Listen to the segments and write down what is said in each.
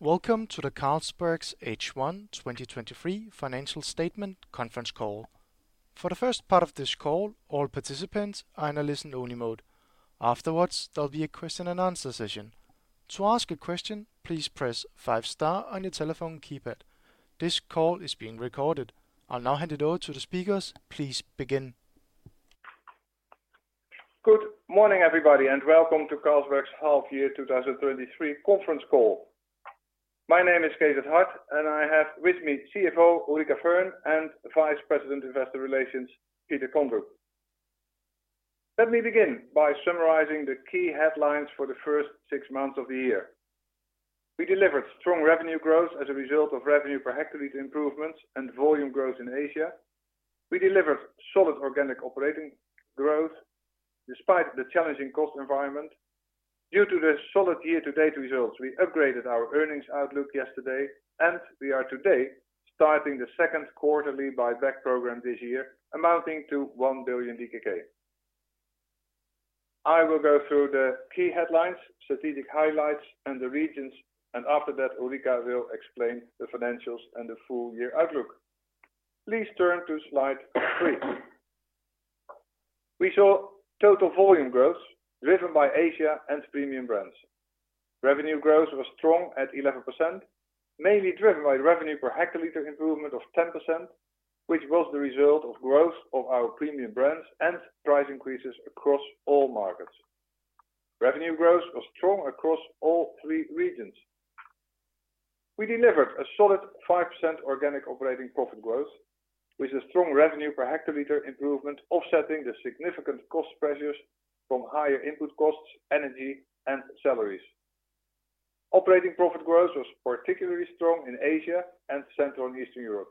Welcome to the Carlsberg's H1 2023 financial statement conference call. For the first part of this call, all participants are in a listen-only mode. Afterwards, there'll be a question and answer session. To ask a question, please press five star on your telephone keypad. This call is being recorded. I'll now hand it over to the speakers. Please begin. Good morning, everybody, and welcome to Carlsberg's half year 2023 conference call. My name is Cees 't Hart, and I have with me CFO, Ulrica Fearn, and Vice President Investor Relations, Peter Kondrup. Let me begin by summarizing the key headlines for the first six months of the year. We delivered strong revenue growth as a result of revenue per hectolitre improvements and volume growth in Asia. We delivered solid organic operating growth despite the challenging cost environment. Due to the solid year-to-date results, we upgraded our earnings outlook yesterday, and we are today starting the second quarterly buyback program this year, amounting to 1 billion DKK. I will go through the key headlines, strategic highlights, and the regions, and after that, Ulrica will explain the financials and the full year outlook. Please turn to slide three. We saw total volume growth driven by Asia and premium brands. Revenue growth was strong at 11%, mainly driven by revenue per hectolitre improvement of 10%, which was the result of growth of our premium brands and price increases across all markets. Revenue growth was strong across all three regions. We delivered a solid 5% organic operating profit growth, with a strong revenue per hectolitre improvement, offsetting the significant cost pressures from higher input costs, energy, and salaries. Operating profit growth was particularly strong in Asia and Central and Eastern Europe.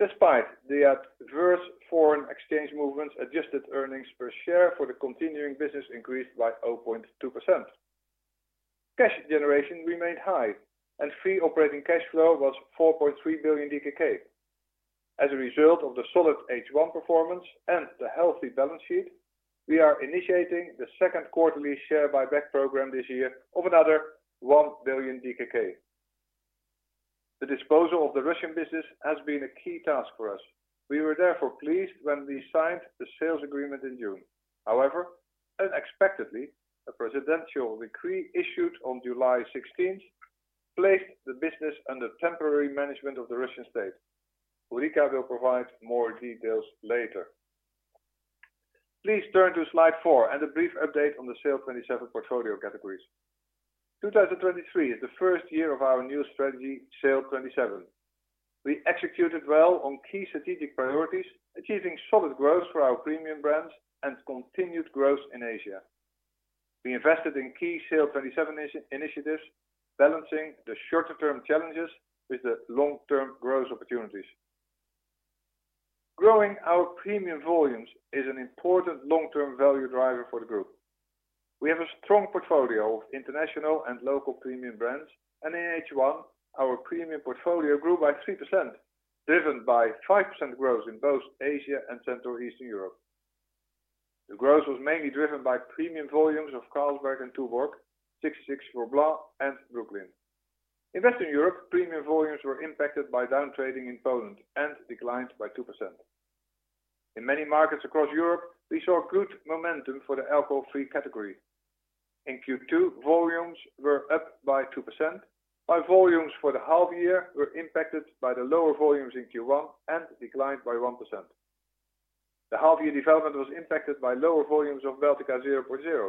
Despite the adverse foreign exchange movements, adjusted earnings per share for the continuing business increased by 0.2%. Cash generation remained high, and free operating cash flow was 4.3 billion DKK. As a result of the solid H1 performance and the healthy balance sheet, we are initiating the second quarterly share buyback program this year of another 1 billion DKK. The disposal of the Russian business has been a key task for us. We were therefore pleased when we signed the sales agreement in June. However, unexpectedly, a presidential decree issued on July 16th placed the business under temporary management of the Russian state. Ulrica will provide more details later. Please turn to slide four and a brief update on the SAIL'27 portfolio categories. 2023 is the first year of our new strategy, SAIL'27. We executed well on key strategic priorities, achieving solid growth for our premium brands and continued growth in Asia. We invested in key SAIL'27 initiatives, balancing the shorter-term challenges with the long-term growth opportunities. Growing our premium volumes is an important long-term value driver for the group. We have a strong portfolio of international and local premium brands. In H1, our premium portfolio grew by 3%, driven by 5% growth in both Asia and Central Eastern Europe. The growth was mainly driven by premium volumes of Carlsberg and Tuborg, 1664 Blanc, and Brooklyn. In Western Europe, premium volumes were impacted by downtrading in Poland and declined by 2%. In many markets across Europe, we saw good momentum for the alcohol-free category. In Q2, volumes were up by 2%, while volumes for the half year were impacted by the lower volumes in Q1 and declined by 1%. The half year development was impacted by lower volumes of Baltika 0.0,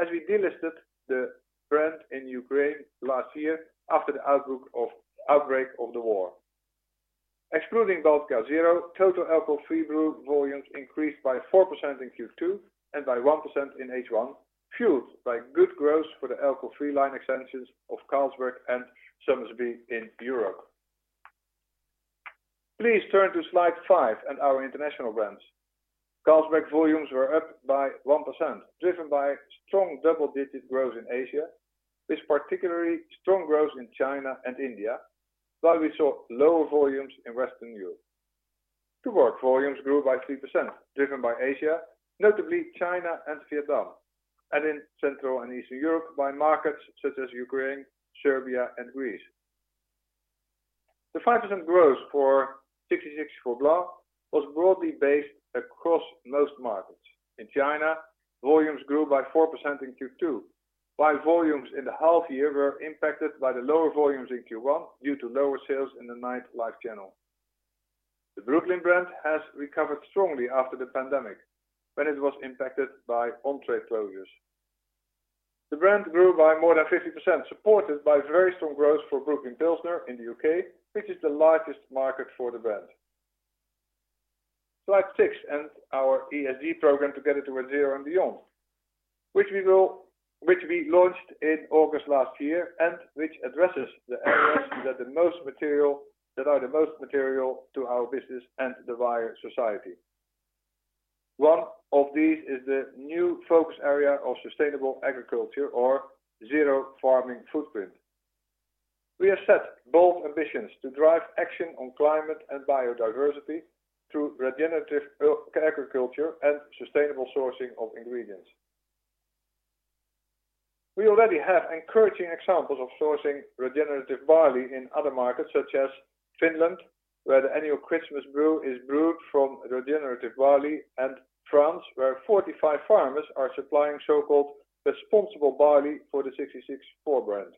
as we delisted the brand in Ukraine last year after the outbreak of the war. Excluding Baltika 0, total alcohol-free brew volumes increased by 4% in Q2 and by 1% in H1, fueled by good growth for the alcohol-free line extensions of Carlsberg and Somersby in Europe. Please turn to slide five and our international brands. Carlsberg volumes were up by 1%, driven by strong double-digit growth in Asia, with particularly strong growth in China and India, while we saw lower volumes in Western Europe. Tuborg volumes grew by 3%, driven by Asia, notably China and Vietnam, and in Central and Eastern Europe, by markets such as Ukraine, Serbia, and Greece. The 5% growth for 1664 Blanc was broadly based across most markets. In China, volumes grew by 4% in Q2, while volumes in the half year were impacted by the lower volumes in Q1 due to lower sales in the nightlife channel. The Brooklyn brand has recovered strongly after the pandemic, when it was impacted by on-trade closures. The brand grew by more than 50%, supported by very strong growth for Brooklyn Pilsner in the U.K., which is the largest market for the brand. Slide six. Our ESG program, Together Towards ZERO and Beyond, which we will-- which we launched in August last year and which addresses the areas that the most material-- that are the most material to our business and the wider society. One of these is the new focus area of sustainable agriculture or zero farming footprint. We have set bold ambitions to drive action on climate and biodiversity through regenerative agriculture and sustainable sourcing of ingredients. We already have encouraging examples of sourcing regenerative barley in other markets, such as Finland, where the annual Christmas brew is brewed from regenerative barley, and France, where 45 farmers are supplying so-called responsible barley for the 1664 brand.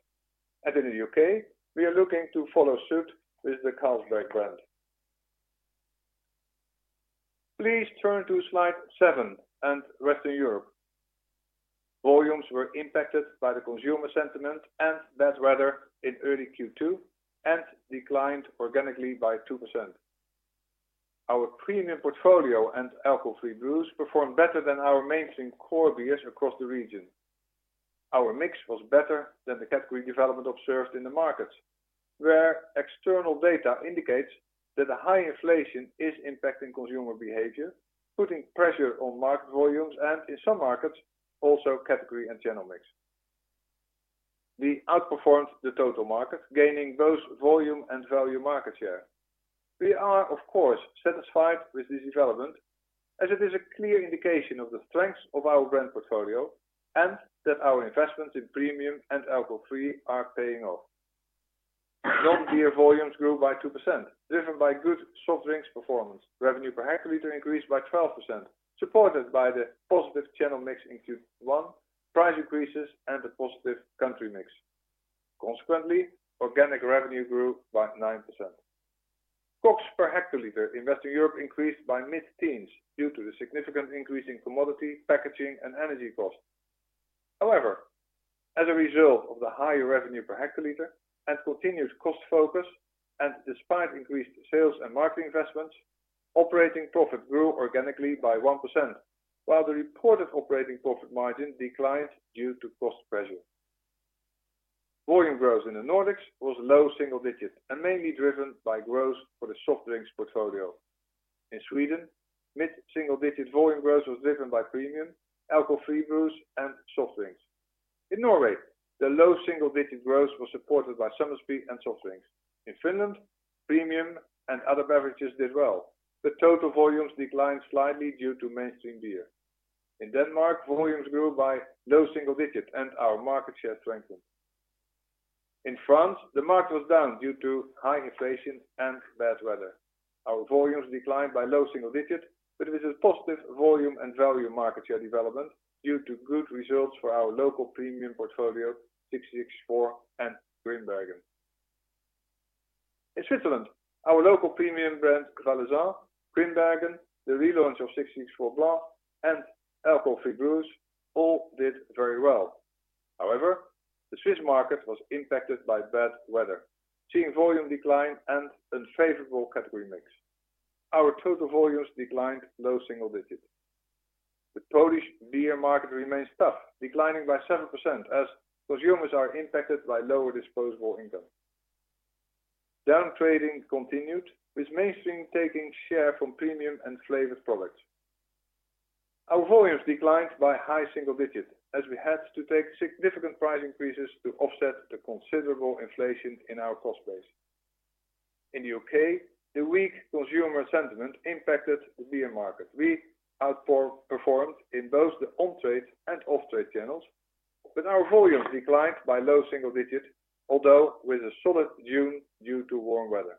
In the U.K., we are looking to follow suit with the Carlsberg brand. Please turn to slide seven and Western Europe. Volumes were impacted by the consumer sentiment and bad weather in early Q2, and declined organically by 2%. Our premium portfolio and alcohol-free brews performed better than our mainstream core beers across the region. Our mix was better than the category development observed in the markets, where external data indicates that the high inflation is impacting consumer behavior, putting pressure on market volumes, and in some markets, also category and channel mix. We outperformed the total market, gaining both volume and value market share. We are, of course, satisfied with this development, as it is a clear indication of the strengths of our brand portfolio and that our investments in premium and alcohol-free are paying off. Non-beer volumes grew by 2%, driven by good soft drinks performance. Revenue per hectolitre increased by 12%, supported by the positive channel mix in Q1, price increases, and a positive country mix. Organic revenue grew by 9%. COGS per hectolitre in Western Europe increased by mid-teens due to the significant increase in commodity, packaging, and energy costs. As a result of the higher revenue per hectolitre and continued cost focus, and despite increased sales and marketing investments, operating profit grew organically by 1%, while the reported operating profit margin declined due to cost pressure. Volume growth in the Nordics was low single digits and mainly driven by growth for the soft drinks portfolio. In Sweden, mid-single digit volume growth was driven by premium, alcohol-free brews, and soft drinks. In Norway, the low single-digit growth was supported by Somersby and soft drinks. In Finland, premium and other beverages did well, but total volumes declined slightly due to mainstream beer. In Denmark, volumes grew by low single digits, and our market share strengthened. In France, the market was down due to high inflation and bad weather. Our volumes declined by low single digits, but with a positive volume and value market share development due to good results for our local premium portfolio, 1664 and Grimbergen. In Switzerland, our local premium brand, Valaisanne, Grimbergen, the relaunch of 1664 Blanc, and alcohol-free brews all did very well. However, the Swiss market was impacted by bad weather, seeing volume decline and unfavorable category mix. Our total volumes declined low single digits. The Polish beer market remains tough, declining by 7% as consumers are impacted by lower disposable income. Downtrading continued, with mainstream taking share from premium and flavored products. Our volumes declined by high single digits, as we had to take significant price increases to offset the considerable inflation in our cost base. In the U.K., the weak consumer sentiment impacted the beer market. We performed in both the on-trade and off-trade channels, but our volumes declined by low single digits, although with a solid June due to warm weather.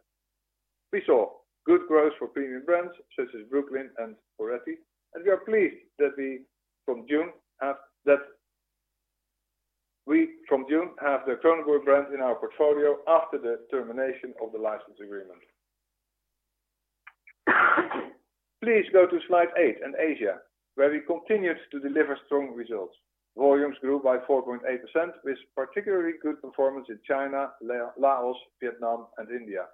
We saw good growth for premium brands such as Brooklyn and Moretti, and we are pleased that we from June have the Kronenbourg brand in our portfolio after the termination of the license agreement. Please go to slide eight in Asia, where we continued to deliver strong results. Volumes grew by 4.8%, with particularly good performance in China, Laos, Vietnam, and India.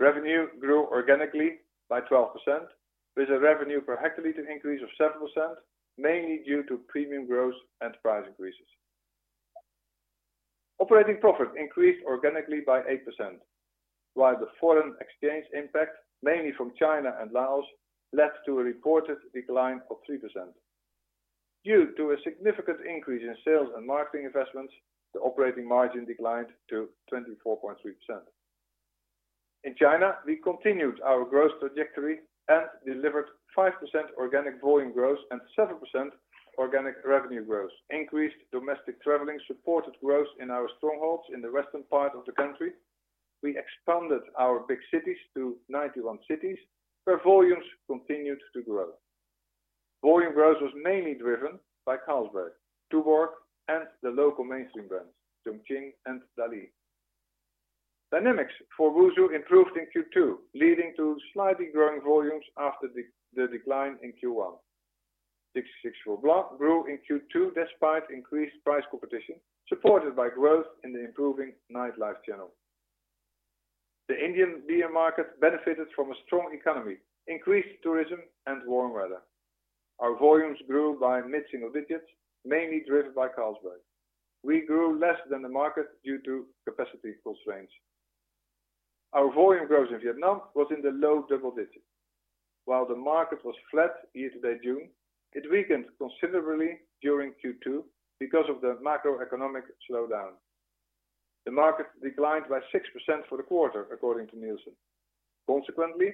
Revenue grew organically by 12%, with a revenue per hectolitre increase of 7%, mainly due to premium growth and price increases. Operating profit increased organically by 8%, while the foreign exchange impact, mainly from China and Laos, led to a reported decline of 3%. Due to a significant increase in sales and marketing investments, the operating margin declined to 24.3%. In China, we continued our growth trajectory and delivered 5% organic volume growth and 7% organic revenue growth. Increased domestic traveling supported growth in our strongholds in the western part of the country. We expanded our big cities to 91 cities, where volumes continued to grow. Volume growth was mainly driven by Carlsberg, Tuborg, and the local mainstream brands, Chongqing and Dali. Dynamics for WuSu improved in Q2, leading to slightly growing volumes after the decline in Q1. 1664 Blanc grew in Q2 despite increased price competition, supported by growth in the improving nightlife channel. The Indian beer market benefited from a strong economy, increased tourism, and warm weather. Our volumes grew by mid-single digits, mainly driven by Carlsberg. We grew less than the market due to capacity constraints. Our volume growth in Vietnam was in the low double digits. While the market was flat year-to-date June, it weakened considerably during Q2 because of the macroeconomic slowdown. The market declined by 6% for the quarter, according to Nielsen. Consequently,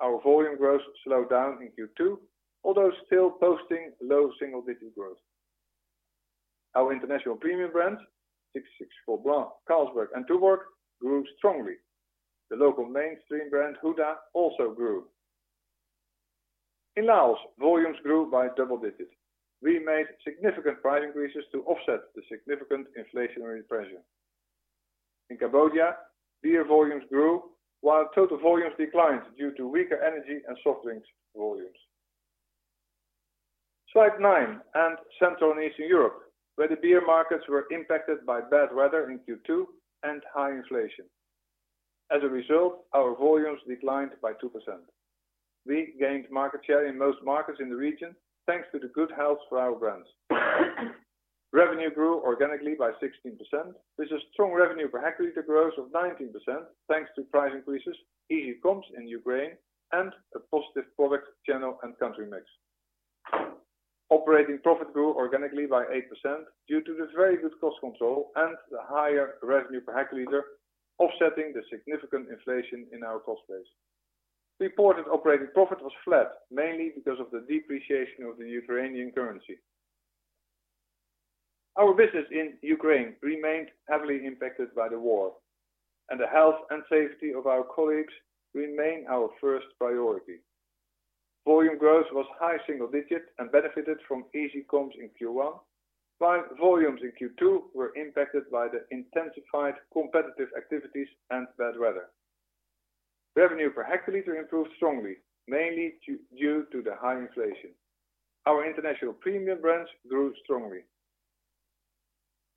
our volume growth slowed down in Q2, although still posting low single-digit growth. Our international premium brands, 1664 Blanc, Carlsberg, and Tuborg, grew strongly. The local mainstream brand, Huda, also grew. In Laos, volumes grew by double digits. We made significant price increases to offset the significant inflationary pressure. In Cambodia, beer volumes grew, while total volumes declined due to weaker energy and soft drinks volumes. Slide nine. Central and Eastern Europe, where the beer markets were impacted by bad weather in Q2 and high inflation. As a result, our volumes declined by 2%. We gained market share in most markets in the region, thanks to the good health for our brands. Revenue grew organically by 16%, with a strong revenue per hectolitre growth of 19%, thanks to price increases, easy comps in Ukraine, and a positive product channel and country mix. Operating profit grew organically by 8% due to the very good cost control and the higher revenue per hectolitre, offsetting the significant inflation in our cost base. Reported operating profit was flat, mainly because of the depreciation of the Ukrainian currency. Our business in Ukraine remained heavily impacted by the war, and the health and safety of our colleagues remain our first priority. Volume growth was high single digit and benefited from easy comps in Q1, while volumes in Q2 were impacted by the intensified competitive activities and bad weather. Revenue per hectolitre improved strongly, mainly due to the high inflation. Our international premium brands grew strongly.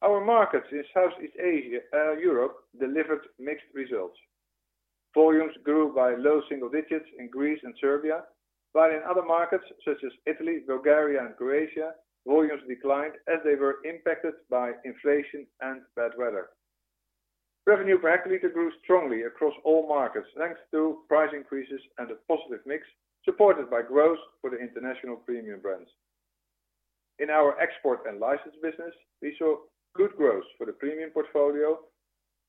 Our markets in Southeast Asia, Europe, delivered mixed results. Volumes grew by low single digits in Greece and Serbia, in other markets such as Italy, Bulgaria, and Croatia, volumes declined as they were impacted by inflation and bad weather. Revenue per hectolitre grew strongly across all markets, thanks to price increases and a positive mix, supported by growth for the international premium brands. In our export and license business, we saw good growth for the premium portfolio,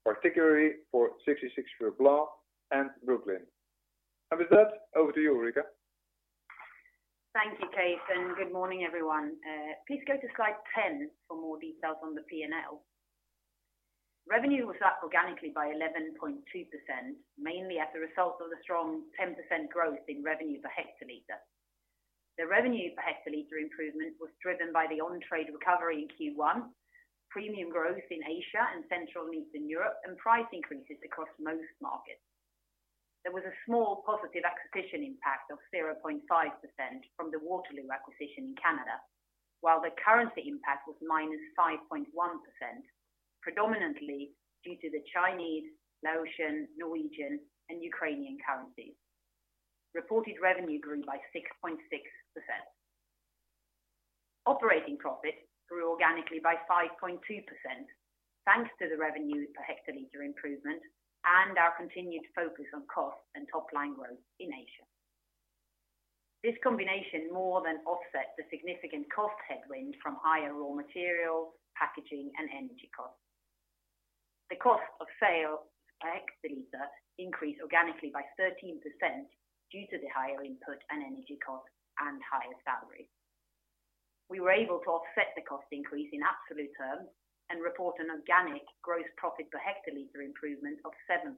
particularly for 1664 Blanc and Brooklyn. With that, over to you, Ulrica. Thank you, Cees, good morning, everyone. Please go to slide 10 for more details on the P&L. Revenue was up organically by 11.2%, mainly as a result of the strong 10% growth in revenue per hectolitre. The revenue per hectolitre improvement was driven by the on-trade recovery in Q1, premium growth in Asia and Central and Eastern Europe, price increases across most markets. There was a small positive acquisition impact of 0.5% from the Waterloo acquisition in Canada, while the currency impact was -5.1%, predominantly due to the Chinese, Laotian, Norwegian, and Ukrainian currencies. Reported revenue grew by 6.6%. Operating profit grew organically by 5.2%, thanks to the revenue per hectolitre improvement and our continued focus on costs and top-line growth in Asia. This combination more than offsets the significant cost headwind from higher raw materials, packaging, and energy costs. The cost of sales per hectolitre increased organically by 13% due to the higher input and energy costs and higher salaries. We were able to offset the cost increase in absolute terms and report an organic gross profit per hectolitre improvement of 7%,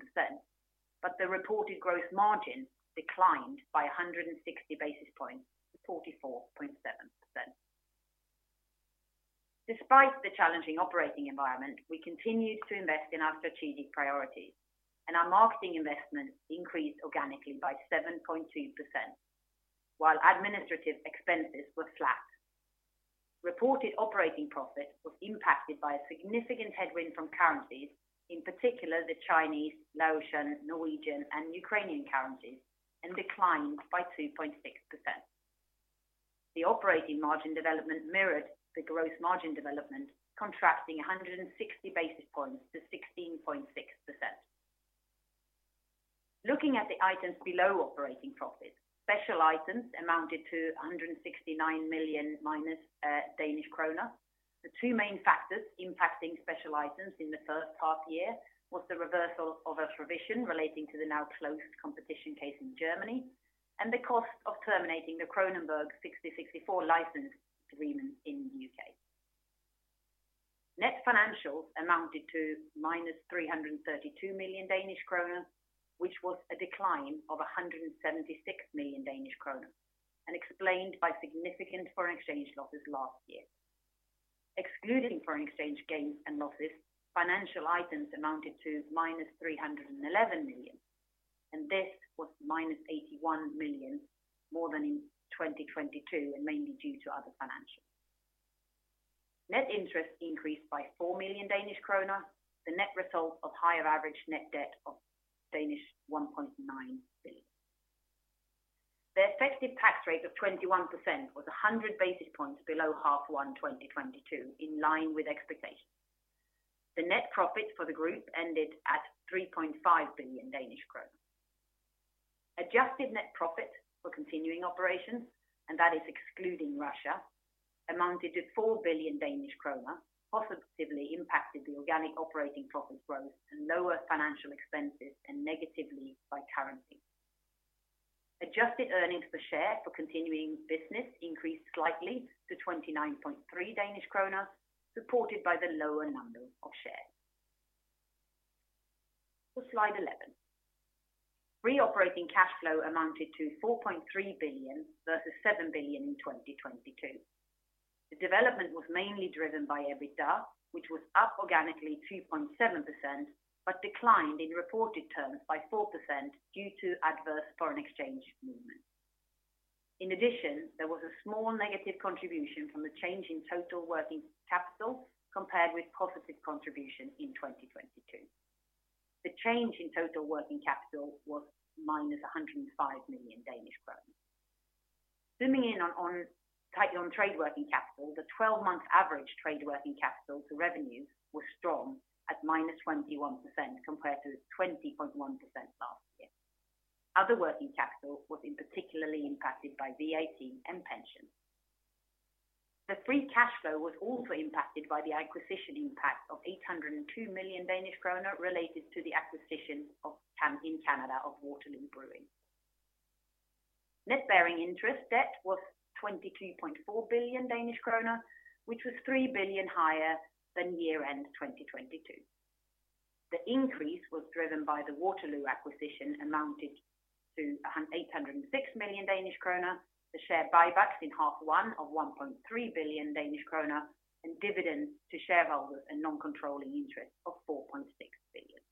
the reported growth margin declined by 160 basis points to 44.7%. Despite the challenging operating environment, we continued to invest in our strategic priorities, our marketing investments increased organically by 7.2%, while administrative expenses were flat. Reported operating profit was impacted by a significant headwind from currencies, in particular the Chinese, Laotian, Norwegian, and Ukrainian currencies, declined by 2.6%. The operating margin development mirrored the gross margin development, contracting 160 basis points to 16.6%. Looking at the items below operating profit, special items amounted to minus 169 million. The two main factors impacting special items in the first half year was the reversal of a provision relating to the now closed competition case in Germany, and the cost of terminating the Kronenbourg 1664 license agreement in the U.K. Net financials amounted to minus 332 million Danish kroner, which was a decline of 176 million Danish kroner and explained by significant foreign exchange losses last year. Excluding foreign exchange gains and losses, financial items amounted to minus 311 million. This was minus 81 million more than in 2022 and mainly due to other financials. Net interest increased by 4 million Danish kroner, the net result of higher average net debt of 1.9 billion. The effective tax rate of 21% was 100 basis points below H1 2022, in line with expectations. The net profit for the group ended at 3.5 billion. Adjusted net profit for continuing operations, that is excluding Russia, amounted to 4 billion Danish kroner, positively impacted the organic operating profit growth and lower financial expenses, and negatively by currency. Adjusted earnings per share for continuing business increased slightly to 29.3 Danish kroner, supported by the lower number of shares. To slide 11. Free operating cash flow amounted to 4.3 billion versus 7 billion in 2022. The development was mainly driven by EBITDA, which was up organically 2.7%, but declined in reported terms by 4% due to adverse foreign exchange movements. In addition, there was a small negative contribution from the change in total working capital compared with positive contribution in 2022. The change in total working capital was minus 105 million Danish kroner. Zooming in on, tightly on trade working capital, the 12-month average trade working capital to revenues was strong at minus 21%, compared to 20.1% last year. Other working capital was in particularly impacted by VAT and pension. The free cash flow was also impacted by the acquisition impact of 802 million Danish kroner related to the acquisition of Can- in Canada, of Waterloo Brewing. Net interest-bearing debt was 22.4 billion Danish kroner, which was 3 billion higher than year-end 2022. The increase was driven by the Waterloo acquisition, amounting to 806 million Danish kroner, the share buybacks in half one of 1.3 billion Danish kroner, and dividends to shareholders and non-controlling interest of 4.6 billion.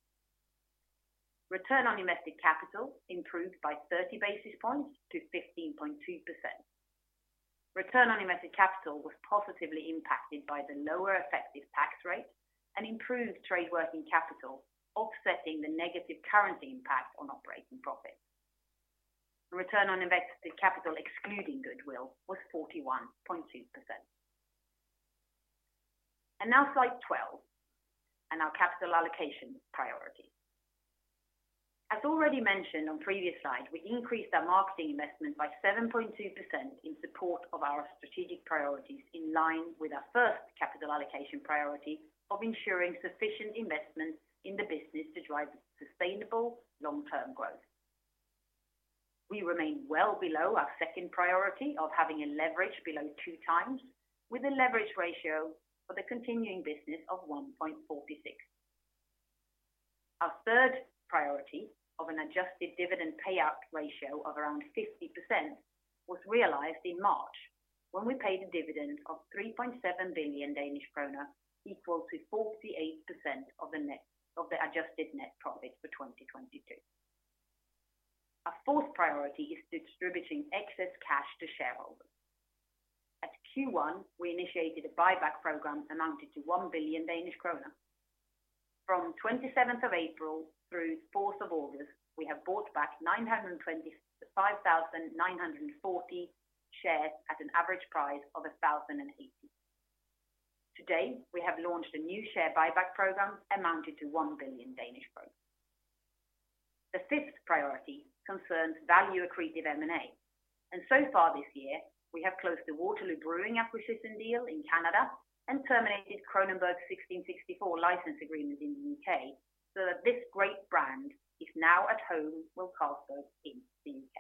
Return on invested capital improved by 30 basis points to 15.2%. Return on invested capital was positively impacted by the lower effective tax rate and improved trade working capital, offsetting the negative currency impact on operating profit. The return on invested capital, excluding goodwill, was 41.2%. Now slide 12, and our capital allocation priority. As already mentioned on previous slides, we increased our marketing investment by 7.2% in support of our strategic priorities, in line with our first capital allocation priority of ensuring sufficient investments in the business to drive sustainable long-term growth. We remain well below our second priority of having a leverage below 2x, with a leverage ratio for the continuing business of 1.46. Our third priority of an adjusted dividend payout ratio of around 50% was realized in March, when we paid a dividend of 3.7 billion Danish kroner, equal to 48% of the adjusted net profit for 2022. Our fourth priority is distributing excess cash to shareholders. At Q1, we initiated a buyback program amounted to 1 billion Danish kroner. From 27th of April through 4th of August, we have bought back 925,940 shares at an average price of 1,080. Today, we have launched a new share buyback program amounted to 1 billion. The fifth priority concerns value accretive M&A, so far this year, we have closed the Waterloo Brewing acquisition deal in Canada and terminated Kronenbourg 1664 license agreement in the U.K. so that this great brand is now at home with Carlsberg in the U.K.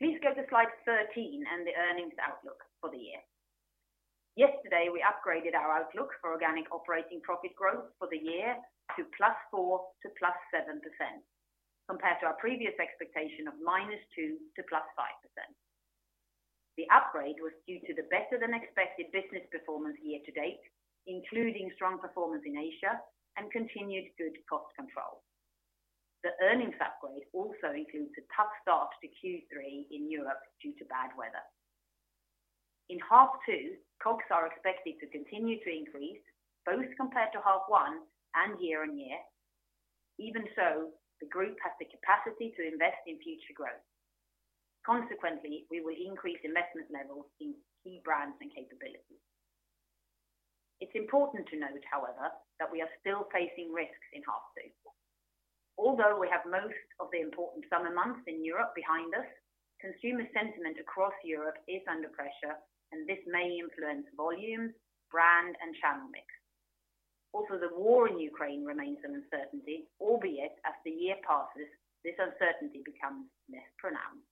Please go to slide 13 and the earnings outlook for the year. Yesterday, we upgraded our outlook for organic operating profit growth for the year to +4% to +7%, compared to our previous expectation of -2% to +5%. The upgrade was due to the better-than-expected business performance year to date, including strong performance in Asia and continued good cost control. The earnings upgrade also includes a tough start to Q3 in Europe due to bad weather. In half two, costs are expected to continue to increase, both compared to half one and year-on-year. Even so, the group has the capacity to invest in future growth. Consequently, we will increase investment levels in key brands and capabilities. It's important to note, however, that we are still facing risks in half two. Although we have most of the important summer months in Europe behind us, consumer sentiment across Europe is under pressure, and this may influence volume, brand, and channel mix. Also, the war in Ukraine remains an uncertainty, albeit as the year passes, this uncertainty becomes less pronounced.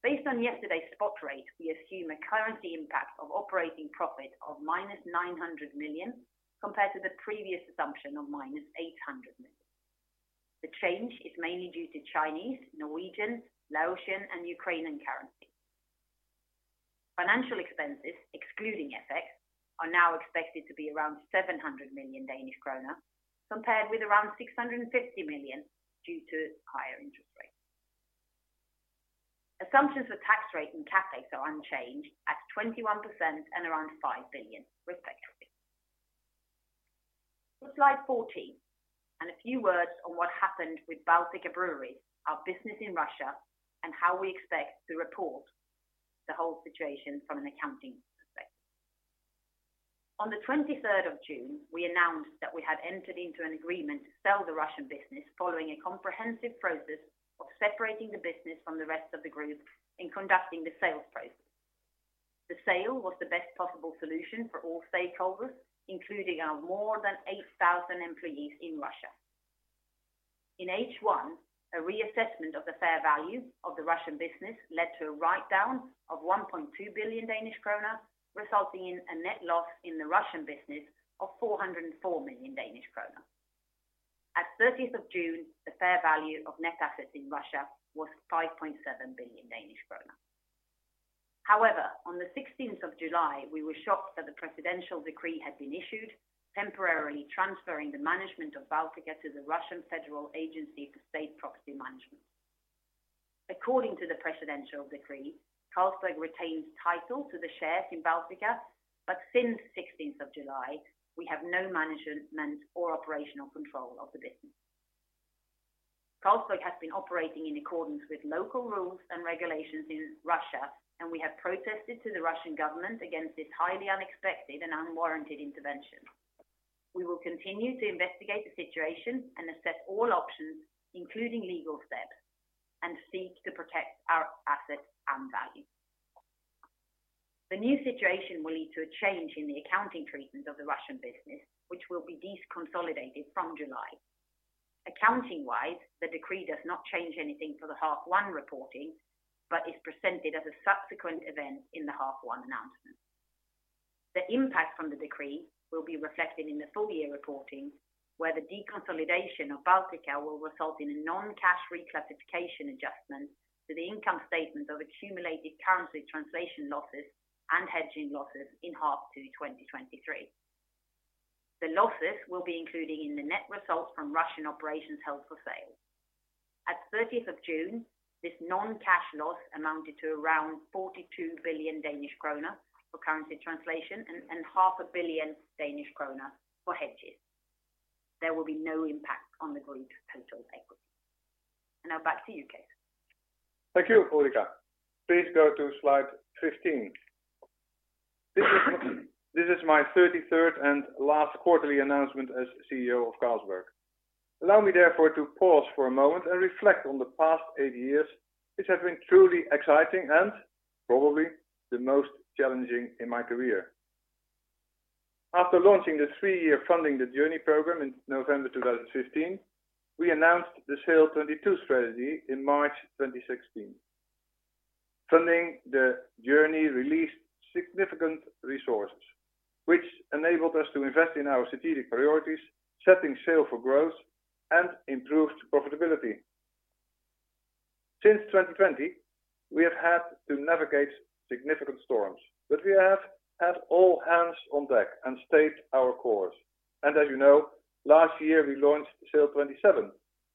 Based on yesterday's spot rate, we assume a currency impact of operating profit of minus 900 million, compared to the previous assumption of minus 800 million. The change is mainly due to Chinese, Norwegian, Laotian, and Ukrainian currency. Financial expenses, excluding FX, are now expected to be around 700 million Danish kroner, compared with around 650 million due to higher interest rates. Assumptions for tax rate and CapEx are unchanged at 21% and around 5 billion, respectively. To slide 14. A few words on what happened with Baltika Brewery, our business in Russia, and how we expect to report the whole situation from an accounting perspective. On the 23rd of June, we announced that we had entered into an agreement to sell the Russian business following a comprehensive process of separating the business from the rest of the group in conducting the sales process. The sale was the best possible solution for all stakeholders, including our more than 8,000 employees in Russia. In H1, a reassessment of the fair value of the Russian business led to a write-down of 1.2 billion Danish krone, resulting in a net loss in the Russian business of 404 million Danish krone. At 30th of June, the fair value of net assets in Russia was 5.7 billion Danish krone. On the 16th of July, we were shocked that the presidential decree had been issued, temporarily transferring the management of Baltika to the Russian Federal Agency for State Property Management. According to the presidential decree, Carlsberg retains title to the shares in Baltika, since 16th of July, we have no management or operational control of the business. Carlsberg has been operating in accordance with local rules and regulations in Russia, we have protested to the Russian government against this highly unexpected and unwarranted intervention. We will continue to investigate the situation and assess all options, including legal steps, seek to protect our assets and value. The new situation will lead to a change in the accounting treatment of the Russian business, which will be deconsolidated from July. Accounting-wise, the decree does not change anything for the half one reporting, is presented as a subsequent event in the half one announcement. The impact from the decree will be reflected in the full year reporting, where the deconsolidation of Baltika will result in a non-cash reclassification adjustment to the income statement of accumulated currency translation losses and hedging losses in half two, 2023. The losses will be included in the net results from Russian operations held for sale. At 30th of June, this non-cash loss amounted to around 42 billion Danish kroner for currency translation and 0.5 billion Danish kroner for hedges. There will be no impact on the group's total equity. Now back to you, Cees. Thank you, Ulrica. Please go to slide 15. This is my 33rd and last quarterly announcement as CEO of Carlsberg. Allow me therefore, to pause for a moment and reflect on the past eight years, which have been truly exciting and probably the most challenging in my career. After launching the three-year Funding the Journey program in November 2015, we announced the SAIL'22 strategy in March 2016. Funding the Journey released significant resources, which enabled us to invest in our strategic priorities, setting sail for growth and improved profitability. Since 2020, we have had to navigate significant storms. We have had all hands on deck and stayed our course. As you know, last year we launched SAIL'27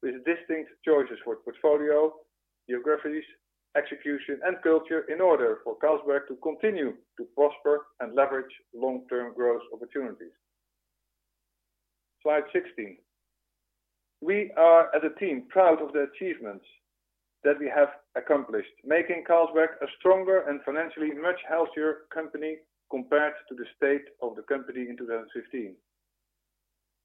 with distinct choices for portfolio, geographies, execution, and culture in order for Carlsberg to continue to prosper and leverage long-term growth opportunities. Slide 16. We are, as a team, proud of the achievements that we have accomplished, making Carlsberg a stronger and financially much healthier company compared to the state of the company in 2015.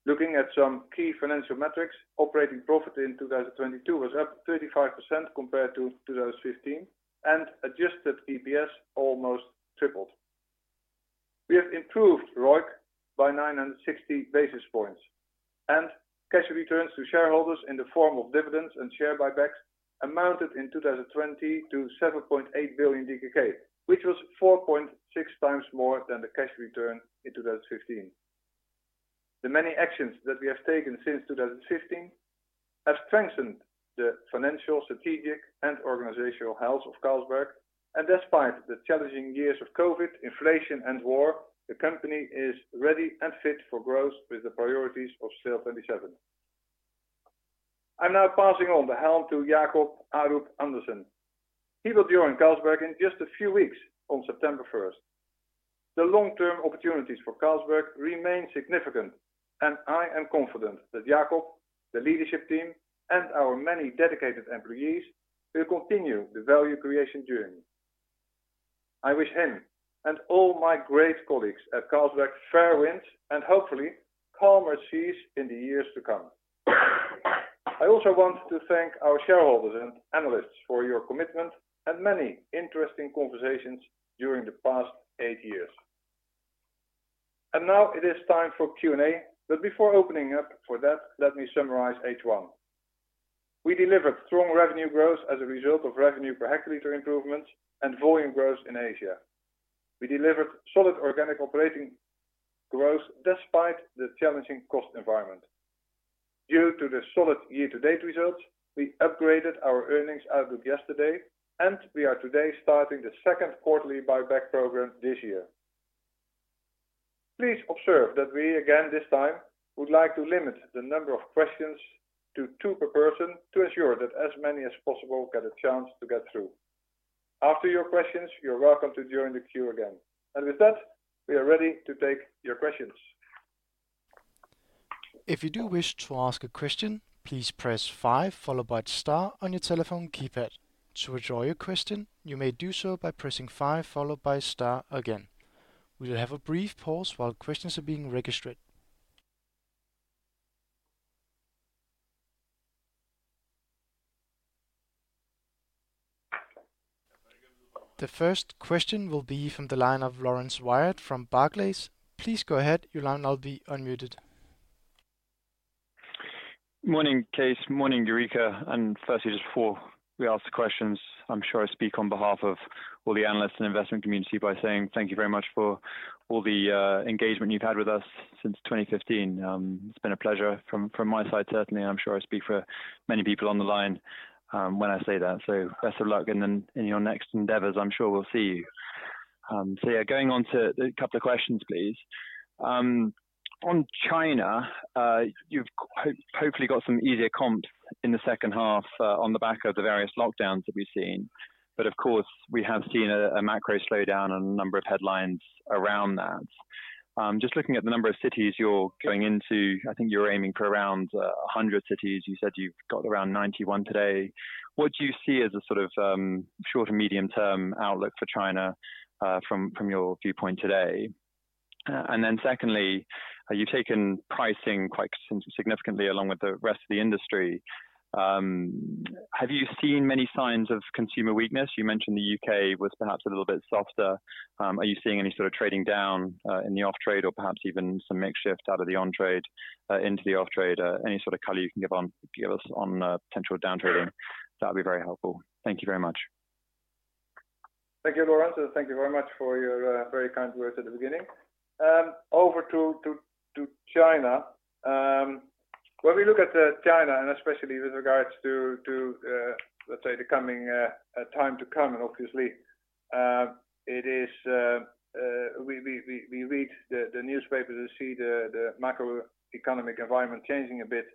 Looking at some key financial metrics, operating profit in 2022 was up 35% compared to 2015, and adjusted EPS almost tripled. We have improved ROIC by 960 basis points, and cash returns to shareholders in the form of dividends and share buybacks amounted in 2020 to 7.8 billion DKK, which was 4.6x more than the cash return in 2015. Despite the challenging years of COVID, inflation, and war, the company is ready and fit for growth with the priorities of SAIL'27. I'm now passing on the helm to Jacob Aarup-Andersen. He will join Carlsberg in just a few weeks on September first. The long-term opportunities for Carlsberg remain significant, and I am confident that Jacob, the leadership team, and our many dedicated employees will continue the value creation journey. I wish him and all my great colleagues at Carlsberg fair winds and hopefully calmer seas in the years to come. I also want to thank our shareholders and analysts for your commitment and many interesting conversations during the past eight years. Now it is time for Q&A, but before opening up for that, let me summarize H1. We delivered strong revenue growth as a result of revenue per hectolitre improvements and volume growth in Asia. We delivered solid organic operating growth despite the challenging cost environment. Due to the solid year-to-date results, we upgraded our earnings outlook yesterday, and we are today starting the second quarterly buyback program this year. Please observe that we, again, this time, would like to limit the number of questions to two per person, to ensure that as many as possible get a chance to get through. After your questions, you're welcome to join the queue again. With that, we are ready to take your questions. If you do wish to ask a question, please press five followed by star on your telephone keypad. To withdraw your question, you may do so by pressing five followed by star again. We will have a brief pause while questions are being registered. The first question will be from the line of Laurence Whyatt from Barclays. Please go ahead. Your line will now be unmuted. Morning, Cees. Morning, Ulrica, firstly, just before we ask the questions, I'm sure I speak on behalf of all the engagement you've had with us since 2015. It's been a pleasure from, from my side, certainly, and I'm sure I speak for many people on the line, when I say that. Best of luck in, in your next endeavors. I'm sure we'll see you. Yeah, going on to a couple of questions, please. On China, you've hopefully got some easier comps in the second half, on the back of the various lockdowns that we've seen. Of course, we have seen a, a macro slowdown and a number of headlines around that. Just looking at the number of cities you're going into, I think you're aiming for around 100 cities. You said you've got around 91 today. What do you see as a sort of short and medium term outlook for China from your viewpoint today? Secondly, you've taken pricing quite significantly along with the rest of the industry. Have you seen many signs of consumer weakness? You mentioned the U.K. was perhaps a little bit softer. Are you seeing any sort of trading down in the off-trade or perhaps even some makeshift out of the on-trade into the off-trade? Any sort of color you can give on, give us on potential downtrading? That would be very helpful. Thank you very much. Thank you, Laurence, and thank you very much for your very kind words at the beginning. Over to China. When we look at China, and especially with regards to, let's say, the coming time to come, and obviously, it is, we read the newspaper to see the macroeconomic environment changing a bit,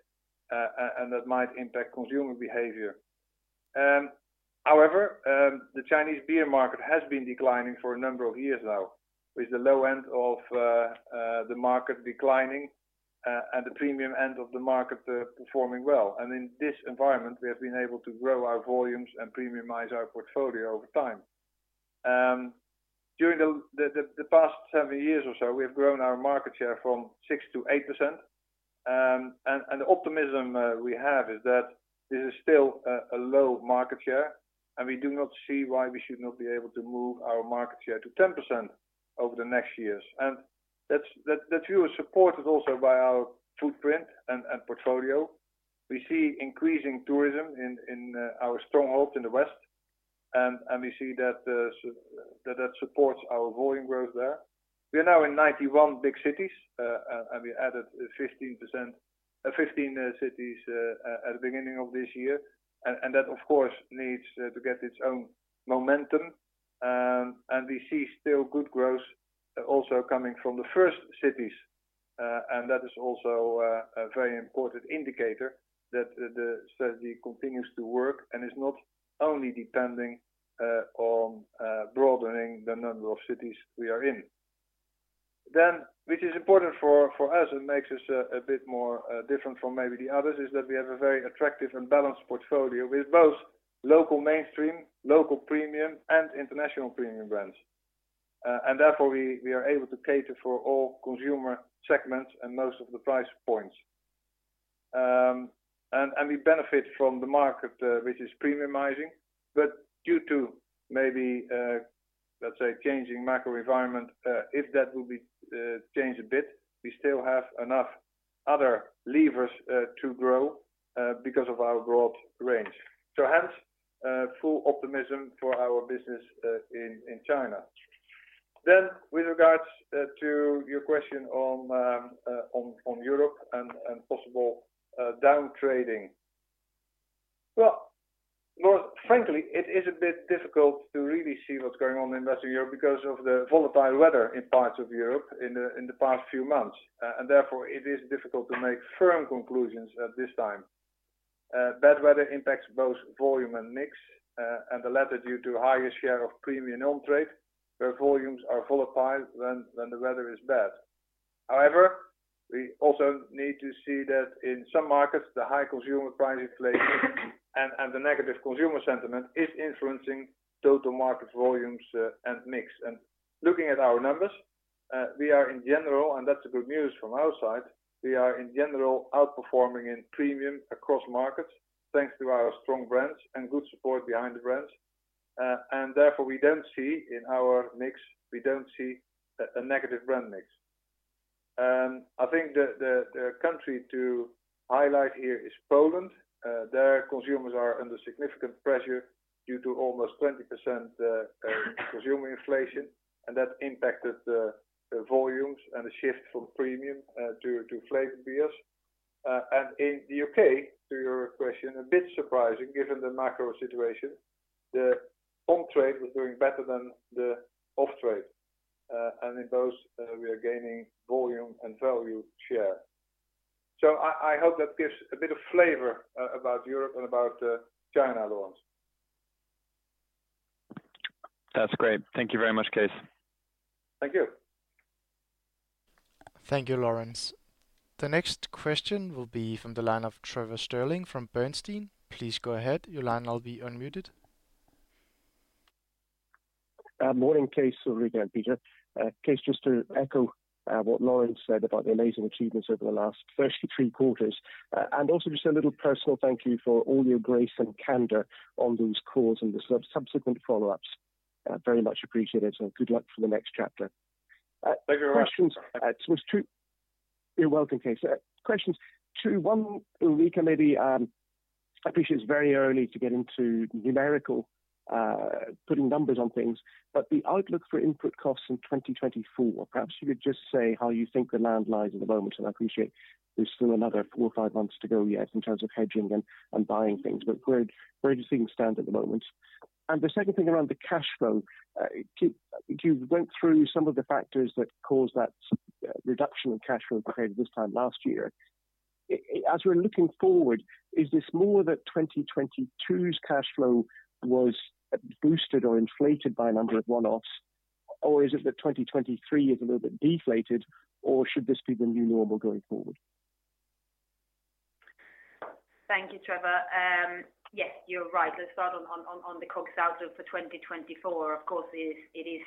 and that might impact consumer behavior. However, the Chinese beer market has been declining for a number of years now, with the low end of the market declining, and the premium end of the market performing well. In this environment, we have been able to grow our volumes and premiumize our portfolio over time. During the, the, the, the past seven years or so, we've grown our market share from 6%-8%. And the optimism we have is that this is still a, a low market share, and we do not see why we should not be able to move our market share to 10% over the next years. That's, that, that view is supported also by our footprint and, and portfolio. We see increasing tourism in, in our stronghold in the West, and, and we see that that, that supports our volume growth there. We are now in 91 big cities, and, and we added 15%, 15 cities at the beginning of this year. And that, of course, needs to get its own momentum. We see still good growth, also coming from the first cities. That is also a very important indicator that the strategy continues to work and is not only depending on broadening the number of cities we are in. Which is important for us, and makes us a bit more different from maybe the others, is that we have a very attractive and balanced portfolio with both local, mainstream, local premium, and international premium brands. Therefore, we are able to cater for all consumer segments and most of the price points. We benefit from the market, which is premiumizing, but due to maybe, let's say, changing macro environment, if that will be changed a bit, we still have enough other levers to grow because of our broad range. Hence, full optimism for our business in China. With regards to your question on Europe and possible downtrading. Well, Laurence, frankly, it is a bit difficult to really see what's going on in Western Europe because of the volatile weather in parts of Europe in the past few months. Therefore, it is difficult to make firm conclusions at this time. Bad weather impacts both volume and mix, and the latter due to higher share of premium on-trade, where volumes are volatile when the weather is bad. However, we also need to see that in some markets, the high consumer price inflation and the negative consumer sentiment is influencing total market volumes and mix. Looking at our numbers, we are in general, and that's the good news from our side, we are in general outperforming in premium across markets, thanks to our strong brands and good support behind the brands. Therefore, we don't see in our mix, we don't see a negative brand mix. I think the country to highlight here is Poland. Their consumers are under significant pressure due to almost 20% consumer inflation, and that impacted the volumes and the shift from premium to flavor beers. In the U.K., to your question, a bit surprising, given the macro situation, the on-trade was doing better than the off-trade. In those, we are gaining volume and value share. I hope that gives a bit of flavor about Europe and about China, Laurence. That's great. Thank you very much, Cees. Thank you. Thank you, Laurence. The next question will be from the line of Trevor Stirling from Bernstein. Please go ahead. Your line will be unmuted. Morning, Cees. Sorry, again, Peter. Cees, just to echo what Laurence said about the amazing achievements over the last 33 quarters, and also just a little personal thank you for all your grace and candor on these calls and the subsequent follow-ups. Very much appreciated, and good luck for the next chapter. Thank you very much. Questions. So it's true. You're welcome, Cees. Questions two, one, Ulrica, maybe. I appreciate it's very early to get into numerical, putting numbers on things, but the outlook for input costs in 2024, perhaps you could just say how you think the land lies at the moment, and I appreciate there's still another four or five months to go yet in terms of hedging and buying things, but where do you think it stands at the moment? The second thing around the cash flow, you went through some of the factors that caused that reduction in cash flow compared to this time last year. As we're looking forward, is this more that 2022's cash flow was boosted or inflated by a number of one-offs, or is it that 2023 is a little bit deflated, or should this be the new normal going forward? Thank you, Trevor. Yes, you're right. Let's start on, on, on the COGS outlook for 2024. Of course, it is, it is,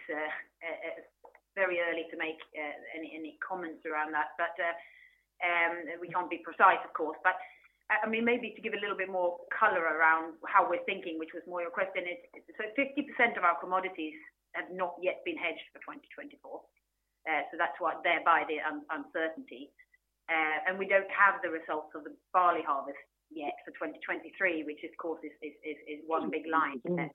very early to make any, any comments around that, but we can't be precise, of course. I mean, maybe to give a little bit more color around how we're thinking, which was more your question, is so 50% of our commodities have not yet been hedged for 2024. That's why thereby the un- uncertainty. We don't have the results of the barley harvest yet for 2023, which of course, is, is, is, is one big line in there.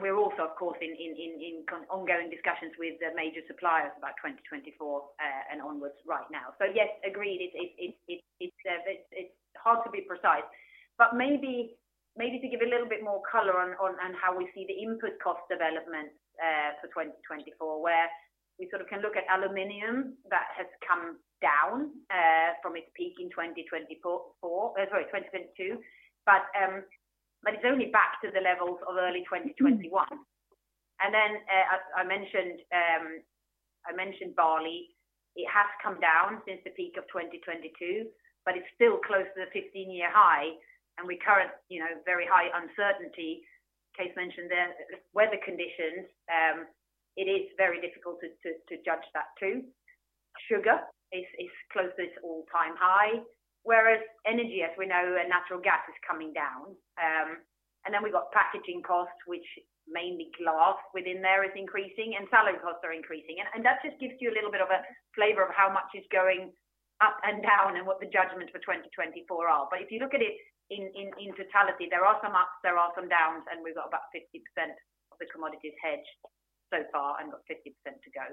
We're also, of course, in, in, in, in ongoing discussions with the major suppliers about 2024 and onwards right now. Yes, agreed, it's, it's, it's, it's, it's, it's hard to be precise, but maybe, maybe to give a little bit more color on, on, on how we see the input cost development for 2024, where we sort of can look at aluminum that has come down from its peak in 2024, sorry, 2022. but it's only back to the levels of early 2021. Then, as I mentioned, I mentioned barley, it has come down since the peak of 2022, but it's still close to the 15-year high, and we current, you know, very high uncertainty. Cees mentioned the weather conditions, it is very difficult to, to, to judge that too. Sugar is, is close to its all-time high, whereas energy, as we know, and natural gas is coming down. Then we've got packaging costs, which mainly glass within there is increasing, and salary costs are increasing. That just gives you a little bit of a flavor of how much is going up and down and what the judgment for 2024 are. If you look at it in totality, there are some ups, there are some downs, and we've got about 50% of the commodities hedged so far and got 50% to go.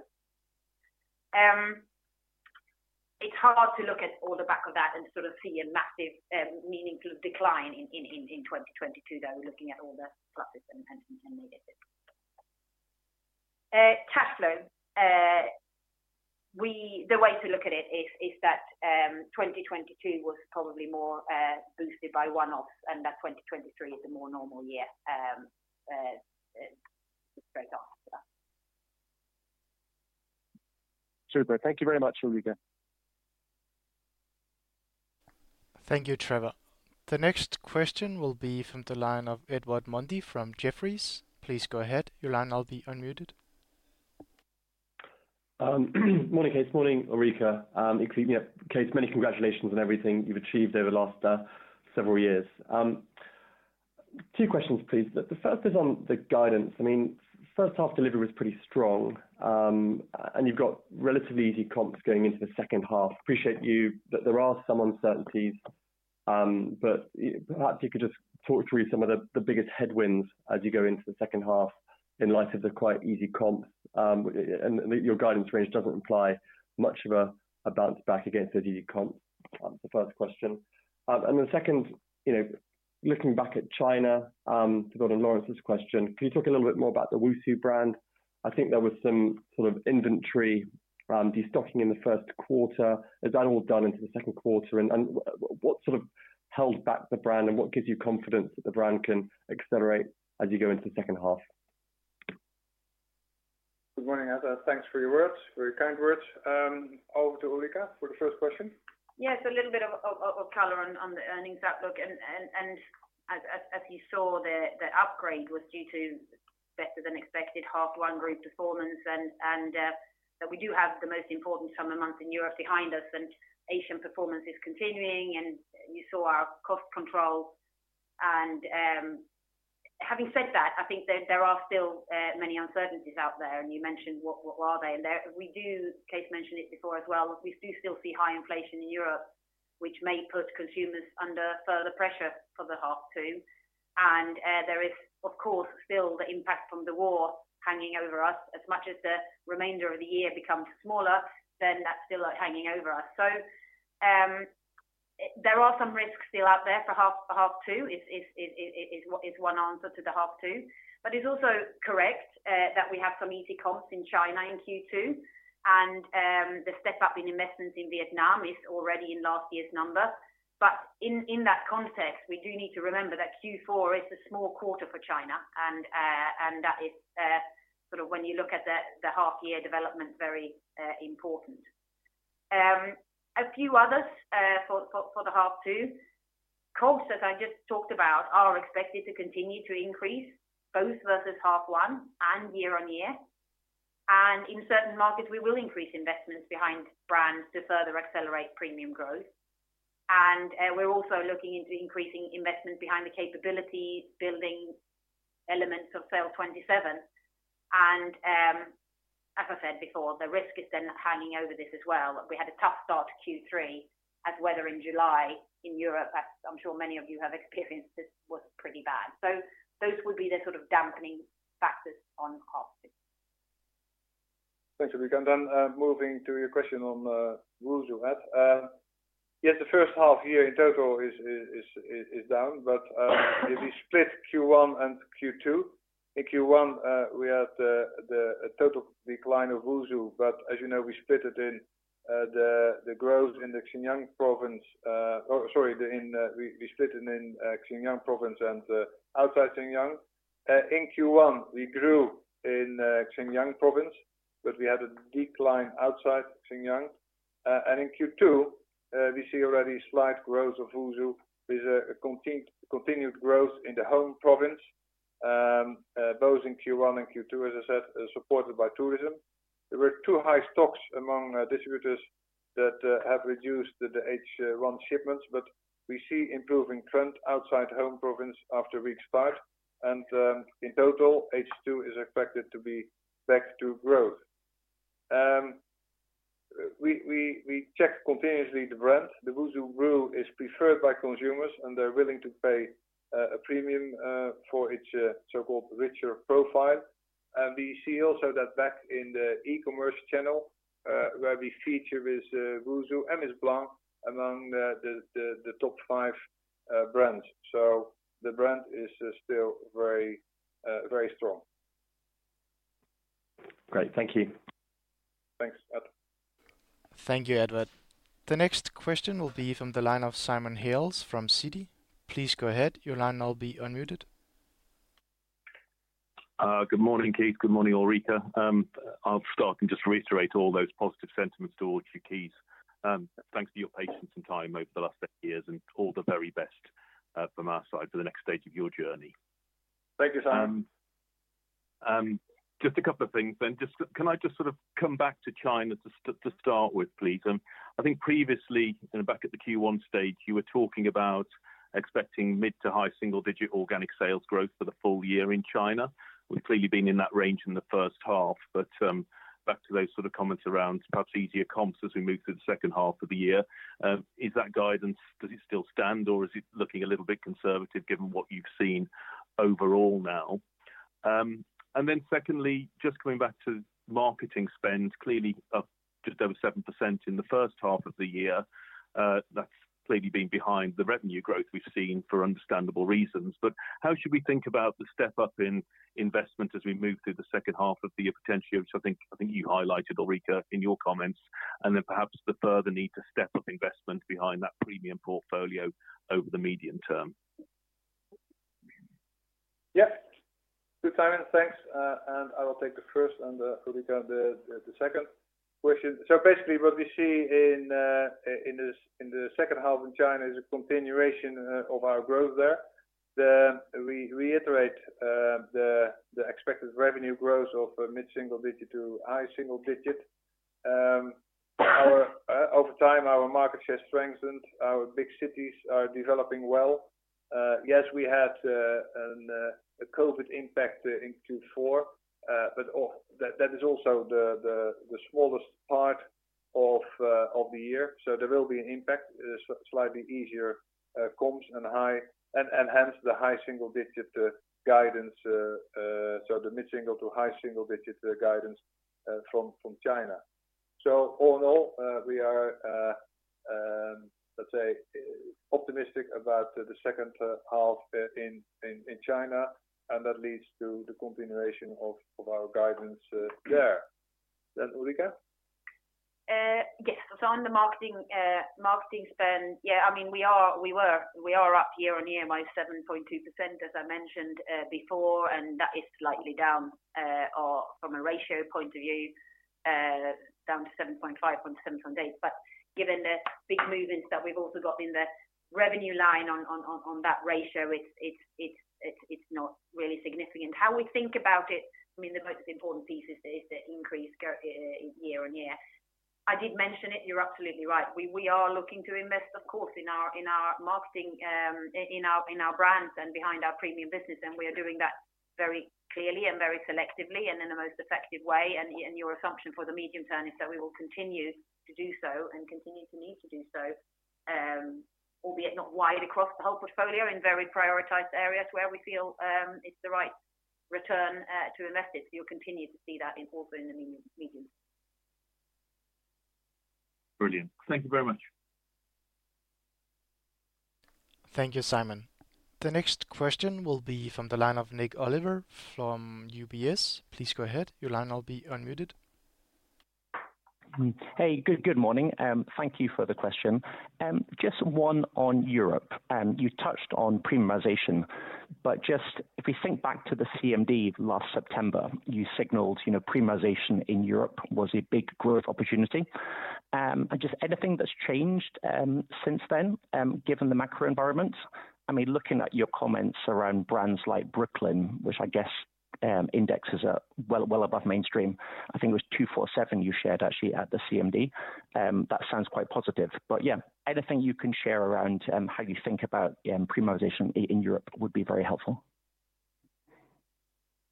It's hard to look at all the back of that and sort of see a massive, meaningful decline in 2022, though, looking at all the pluses and negatives. Cash flow, we... The way to look at it is, is that, 2022 was probably more, boosted by one-offs, and that 2023 is a more normal year, straight after that. Super. Thank you very much, Ulrica. Thank you, Trevor. The next question will be from the line of Edward Mundy from Jefferies. Please go ahead. Your line now be unmuted. Morning, Cees 't Hart. Morning, Ulrica Fearn. Including, Cees, many congratulations on everything you've achieved over the last several years. Two questions, please. The first is on the guidance. I mean, first half delivery was pretty strong, and you've got relatively easy comps going into the second half. Appreciate you, but there are some uncertainties, but perhaps you could just talk through some of the biggest headwinds as you go into the second half in light of the quite easy comps, and your guidance range doesn't imply much of a bounce back against the easy comps. That's the first question. And the second, you know, looking back at China, to build on Laurence Whyatt's question, can you talk a little bit more about the WuSu brand? I think there was some sort of inventory destocking in the first quarter. Is that all done into the second quarter? What sort of held back the brand, and what gives you confidence that the brand can accelerate as you go into the second half? Good morning, Edward. Thanks for your words, very kind words. Over to Ulrica for the first question. Yes, a little bit of color on the earnings outlook. As you saw, the upgrade was due to better than expected half one group performance, we do have the most important summer months in Europe behind us, Asian performance is continuing, and you saw our cost control. Having said that, I think there are still many uncertainties out there, and you mentioned what are they, and there Cees mentioned it before as well, we do still see high inflation in Europe, which may put consumers under further pressure for the half two. There is, of course, still the impact from the war hanging over us. As much as the remainder of the year becomes smaller, then that's still hanging over us. There are some risks still out there for half two, is one answer to the half two. It's also correct that we have some easy comps in China in Q2, and the step up in investments in Vietnam is already in last year's number. In that context, we do need to remember that Q4 is a small quarter for China, and that is sort of when you look at the half year development, very important. A few others for the half two. Costs, as I just talked about, are expected to continue to increase, both versus half one and year-on-year. In certain markets, we will increase investments behind brands to further accelerate premium growth. We're also looking into increasing investment behind the capabilities, building elements of SAIL'27. As I said before, the risk is then hanging over this as well. We had a tough start to Q3, as weather in July in Europe, as I'm sure many of you have experienced, this was pretty bad. Those would be the sort of dampening factors on half two. Thanks, Ulrica. Moving to your question on WuSu had. Yes, the first half year in total is, is, is, is down, but if you split Q1 and Q2, in Q1, we had the, the, a total decline of WuSu, but as you know, we split it in the, the growth in the Xinjiang Province. Oh, sorry, we split it in Xinjiang Province and outside Xinjiang. In Q1, we grew in Xinjiang Province, but we had a decline outside Xinjiang. In Q2, we see already slight growth of WuSu with a continued growth in the home province, both in Q1 and Q2, as I said, supported by tourism. There were two high stocks among distributors that have reduced the H1 shipments. We see improving trend outside home province after a weak start. In total, H2 is expected to be back to growth. We, we, we check continuously the brand. The WuSu is preferred by consumers, and they're willing to pay a premium for its so-called richer profile. We see also that back in the e-commerce channel, where we feature is WuSu and is Blanc among the, the, the, the top five brands. The brand is still very strong. Great. Thank you. Thanks, Edward. Thank you, Edward. The next question will be from the line of Simon Hales from Citi. Please go ahead. Your line will now be unmuted. Good morning, Cees. Good morning, Ulrica. I'll start and just reiterate all those positive sentiments towards you, Cees. Thanks for your patience and time over the last eight years, and all the very best from our side for the next stage of your journey. Thank you, Simon. Just a couple of things then. Can I just sort of come back to China to start with, please? I think previously, you know, back at the Q1 stage, you were talking about expecting mid to high single digit organic sales growth for the full year in China. We've clearly been in that range in the first half, but back to those sort of comments around perhaps easier comps as we move through the second half of the year. Is that guidance, does it still stand, or is it looking a little bit conservative given what you've seen overall now? Then secondly, just coming back to marketing spend, clearly up just over 7% in the first half of the year. That's clearly been behind the revenue growth we've seen for understandable reasons. How should we think about the step up in investment as we move through the second half of the year, potentially, which I think you highlighted, Ulrica, in your comments, and then perhaps the further need to step up investment behind that premium portfolio over the medium term? Yeah. Good, Simon. Thanks. I will take the first and Ulrica, the second question. Basically, what we see in this, in the second half in China is a continuation of our growth there. We reiterate the expected revenue growth of mid-single digit to high single digit. Our, over time, our market share strengthened, our big cities are developing well. Yes, we had a COVID impact in Q4, but that is also the smallest part of the year. There will be an impact, slightly easier comps and hence the high single digit guidance, so the mid-single digit to high single digit guidance from China. All in all, we are, let's say, optimistic about the second half in China, and that leads to the continuation of our guidance there. Ulrica? Yes. On the marketing, marketing spend, yeah, I mean, we are, we were, we are up year-over-year by 7.2%, as I mentioned, before, and that is slightly down, or from a ratio point of view, down to 7.5 from 7.8. Given the big movements that we've also got in the revenue line on, on, on, on that ratio, it's, it's, it's, it's, it's not really significant. How we think about it, I mean, the most important piece is the increase go, year-over-year. I did mention it, you're absolutely right. We, we are looking to invest, of course, in our, in our marketing, in our, in our brands and behind our premium business, and we are doing that very clearly and very selectively and in the most effective way. Your assumption for the medium term is that we will continue to do so and continue to need to do so.... albeit not wide across the whole portfolio, in very prioritized areas where we feel, it's the right return, to invest it. You'll continue to see that in also in the medium, medium. Brilliant. Thank you very much. Thank you, Simon. The next question will be from the line of Nik Oliver from UBS. Please go ahead. Your line will be unmuted. Hey, good, good morning, thank you for the question. Just one on Europe, you touched on premiumization, if we think back to the CMD last September, you signaled, you know, premiumization in Europe was a big growth opportunity. Just anything that's changed since then, given the macro environment? I mean, looking at your comments around brands like Brooklyn, which I guess, indexes are well, well above mainstream. I think it was 247 you shared actually at the CMD. That sounds quite positive, yeah, anything you can share around how you think about premiumization in Europe would be very helpful.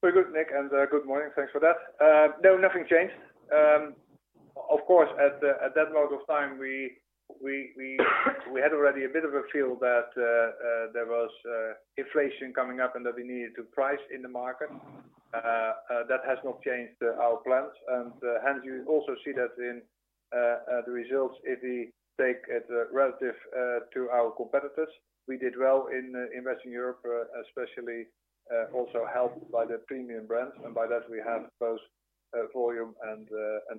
Very good, Nik, good morning. Thanks for that. No, nothing changed. Of course, at that moment of time, we had already a bit of a feel that there was inflation coming up and that we needed to price in the market. That has not changed our plans. Hence you also see that in the results, if we take it relative to our competitors, we did well in investing in Europe, especially also helped by the premium brands. By that we have both volume and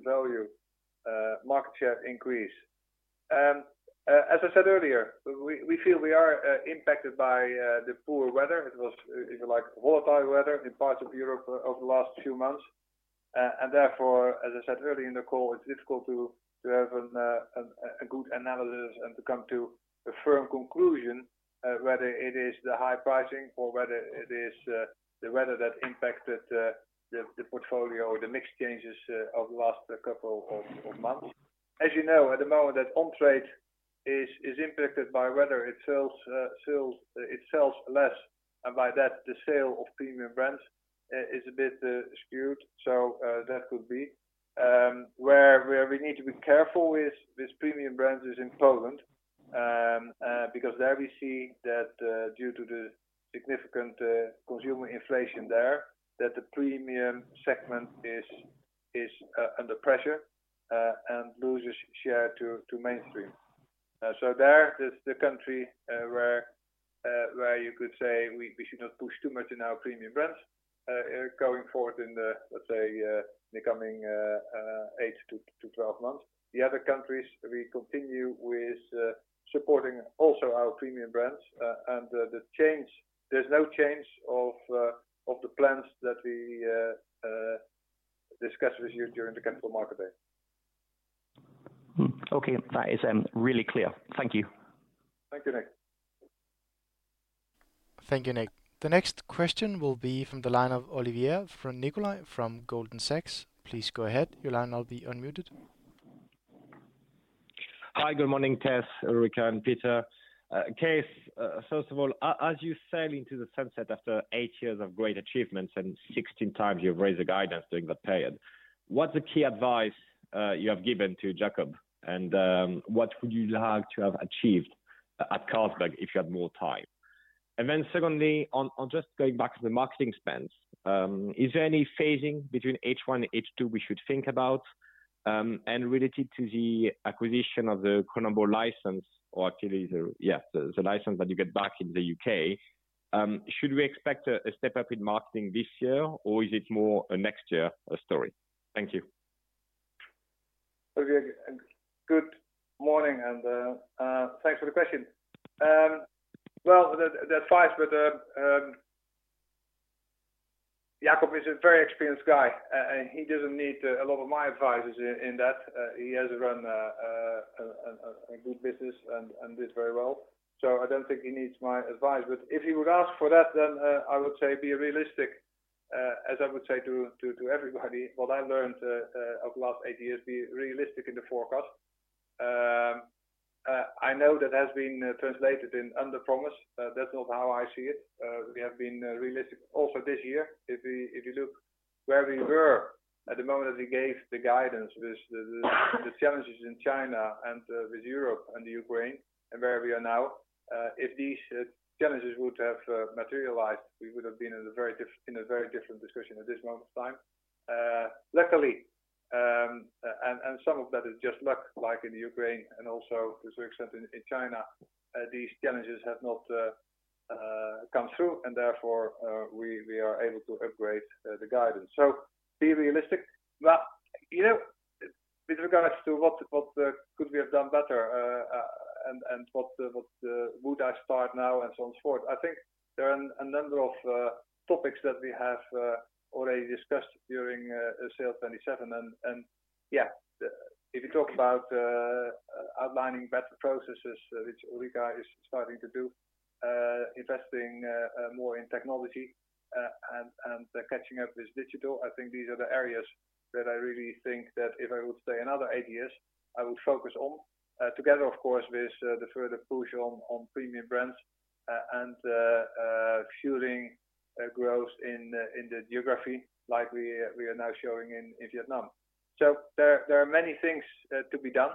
value market share increase. As I said earlier, we feel we are impacted by the poor weather. It was, if you like, volatile weather in parts of Europe over the last few months. Therefore, as I said earlier in the call, it's difficult to have a good analysis and to come to a firm conclusion, whether it is the high pricing or whether it is the weather that impacted the portfolio or the mix changes over the last couple of months. As you know, at the moment that on-trade is impacted by whether it sells, it sells less, and by that, the sale of premium brands is a bit skewed. That could be where we need to be careful with premium brands is in Poland. Because there we see that, due to the significant consumer inflation there, that the premium segment is, is under pressure and loses share to, to mainstream. There is the country where you could say we should not push too much in our premium brands going forward in the, let's say, the coming eight to 12 months. The other countries, we continue with supporting also our premium brands, and there's no change of the plans that we discussed with you during the Capital Markets Day. Hmm. Okay. That is, really clear. Thank you. Thank you, Nik. Thank you, Nik. The next question will be from the line of Olivier from Nicolaï, from Goldman Sachs. Please go ahead. Your line will be unmuted. Hi, good morning, Cees, Ulrica, and Peter. Cees, first of all, as you sail into the sunset after eight years of great achievements and 16 times you've raised the guidance during that period, what's the key advice you have given to Jacob? What would you like to have achieved at Carlsberg if you had more time? Secondly, on just going back to the marketing spends, is there any phasing between H1 and H2 we should think about? Related to the acquisition of the Kronenbourg license or the license that you get back in the U.K., should we expect a step up in marketing this year, or is it more a next year story? Thank you. Okay, good morning, and thanks for the question. Well, the, the advice with the, Jacob is a very experienced guy, and he doesn't need a lot of my advice in, in that. He has run, a, a, a good business and, and does very well. I don't think he needs my advice, but if he would ask for that, then, I would say be realistic, as I would say to, to, to everybody. What I learned, over the last eight years, be realistic in the forecast. I know that has been, translated in underpromise, that's not how I see it. We have been, realistic also this year. If we, if you look where we were at the moment, we gave the guidance with the, the, the challenges in China and with Europe and the Ukraine and where we are now, if these challenges would have materialized, we would have been in a very different discussion at this moment of time. Luckily, and, and some of that is just luck, like in the Ukraine and also to a certain extent in, in China, these challenges have not come through and therefore, we, we are able to upgrade the guidance. Be realistic. You know, with regards to what, what could we have done better, and, and what, what would I start now and so on, so forth? I think there are a number of topics that we have already discussed during SAIL'27. If you talk about outlining better processes, which Ulrica is starting to do, investing more in technology, catching up with digital, I think these are the areas that I really think that if I would stay another eight years, I would focus on together, of course, with the further push on premium brands, fueling growth in the geography like we are, we are now showing in Vietnam. There are many things to be done.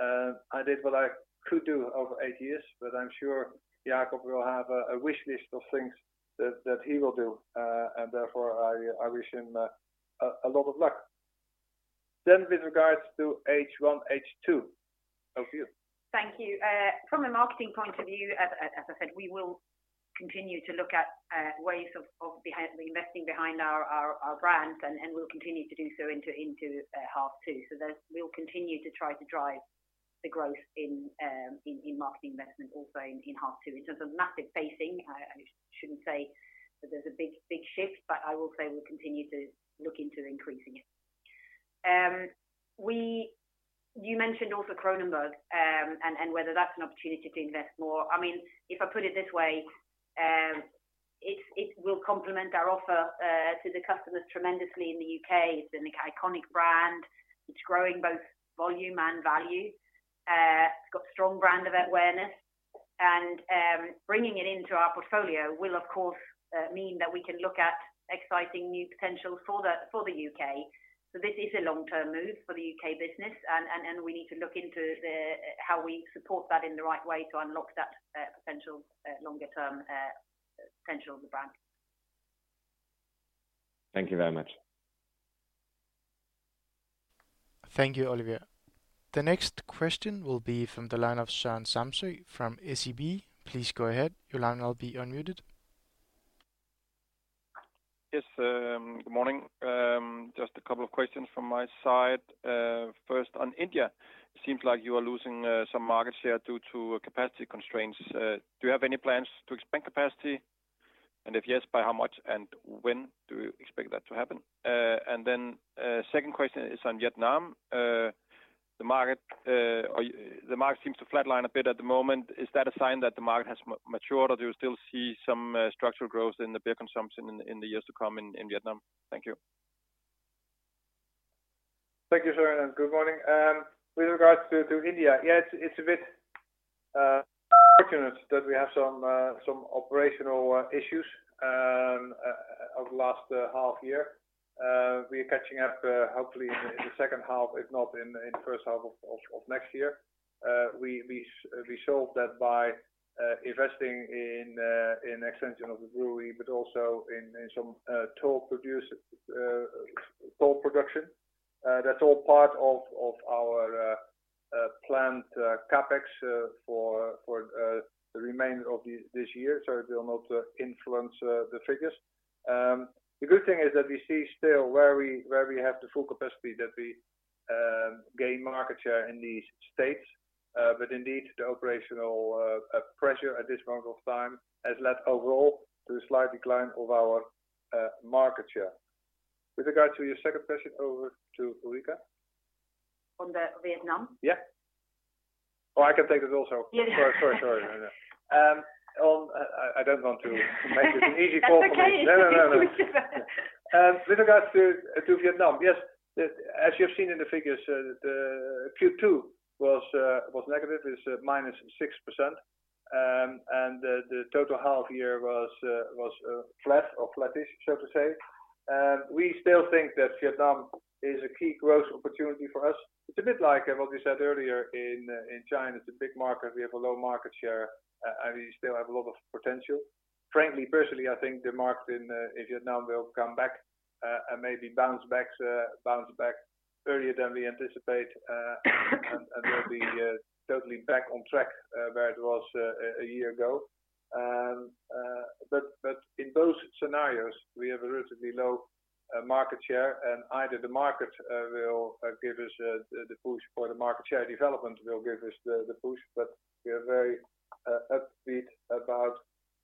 I did what I could do over eight years, but I'm sure Jacob will have a wish list of things that he will do. Therefore, I wish him a lot of luck. With regards to H1, H2, over to you. Thank you. From a marketing point of view, as, as, as I said, we will continue to look at ways of investing behind our, our, our brands, and, and we'll continue to do so into, into half two. There, we'll continue to try to drive the growth in, in, in marketing investment also in, in half two. In terms of massive pacing, I, I shouldn't say that there's a big, big shift, but I will say we'll continue to look into increasing it. We-- You mentioned also Kronenbourg, and, and whether that's an opportunity to invest more. I mean, if I put it this way, it, it will complement our offer to the customers tremendously in the U.K. It's an iconic brand. It's growing both volume and value. It's got strong brand of awareness and bringing it into our portfolio will of course mean that we can look at exciting new potentials for the U.K. This is a long-term move for the U.K. business, and, and, and we need to look into the, how we support that in the right way to unlock that potential longer term potential of the brand. Thank you very much. Thank you, Oliver. The next question will be from the line of Søren Samsøe from SEB. Please go ahead. Your line will now be unmuted. Yes, good morning. Just a couple of questions from my side. First, on India, it seems like you are losing some market share due to capacity constraints. Do you have any plans to expand capacity? If yes, by how much and when do you expect that to happen? Then, second question is on Vietnam. The market, or the market seems to flatline a bit at the moment. Is that a sign that the market has matured, or do you still see some structural growth in the beer consumption in, in the years to come in, in Vietnam? Thank you. Thank you, Søren. Good morning. With regards to India, yes, it's a bit fortunate that we have some operational issues over the last half year. We are catching up hopefully in the second half, if not in the first half of next year. We solved that by investing in the extension of the brewery, also in some toll produce, toll production. That's all part of our planned CapEx for the remainder of this year, it will not influence the figures. The good thing is that we see still where we have the full capacity that we gain market share in these states. Indeed, the operational pressure at this moment of time has led overall to a slight decline of our market share. With regard to your second question, over to Ulrica. On the Vietnam? Yeah. Oh, I can take that also. Yeah. Sorry, sorry, sorry. I, I don't want to make it an easy call for me. That's okay. No, no, no, no. With regards to Vietnam, yes, As you have seen in the figures, the Q2 was negative. It's -6%. The total half year was flat or flattish, so to say. We still think that Vietnam is a key growth opportunity for us. It's a bit like what we said earlier in China. It's a big market. We have a low market share, and we still have a lot of potential. Frankly, personally, I think the market in Vietnam will come back and maybe bounce back, bounce back earlier than we anticipate and will be totally back on track where it was a year ago. In both scenarios, we have a relatively low market share, and either the market will give us the push or the market share development will give us the push. We are very upbeat about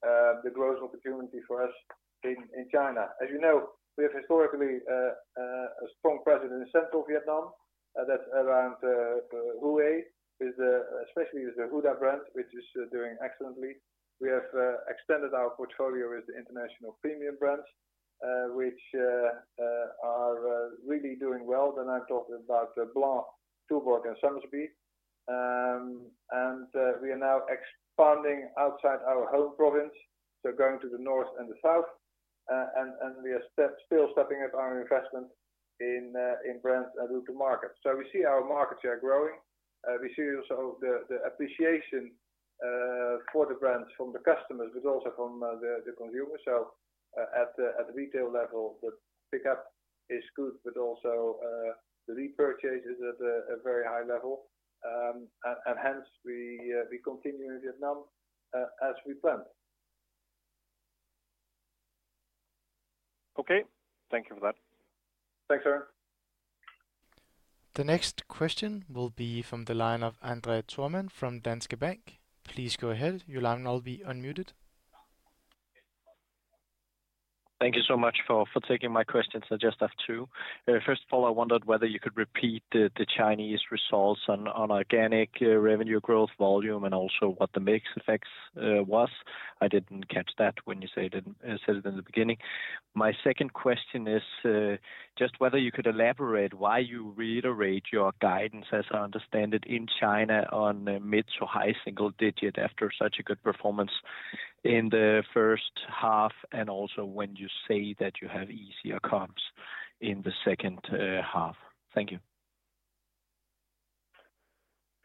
the growth opportunity for us in China. As you know, we have historically a strong presence in central Vietnam, that's around Hue, with the especially with the Hue brand, which is doing excellently. We have extended our portfolio with the international premium brands, which are really doing well. I'm talking about Blanc, Tuborg and Somersby. We are now expanding outside our home province, so going to the north and the south. And we are still stepping up our investment in brands and into markets. We see our market share growing. We see also the, the appreciation for the brands from the customers, but also from the, the consumers. At the, at the retail level, the pickup is good, but also the repurchase is at a, a very high level. And hence, we continue in Vietnam as we planned. Okay. Thank you for that. Thanks, Søren. The next question will be from the line of André Thormann from Danske Bank. Please go ahead. Your line will now be unmuted. Thank you so much for, for taking my questions. I just have two. First of all, I wondered whether you could repeat the Chinese results on organic revenue growth volume, and also what the mix effects was. I didn't catch that when you said it in the beginning. My second question is just whether you could elaborate why you reiterate your guidance, as I understand it, in China on mid to high single digit after such a good performance in the first half, and also when you say that you have easier comps in the second half? Thank you.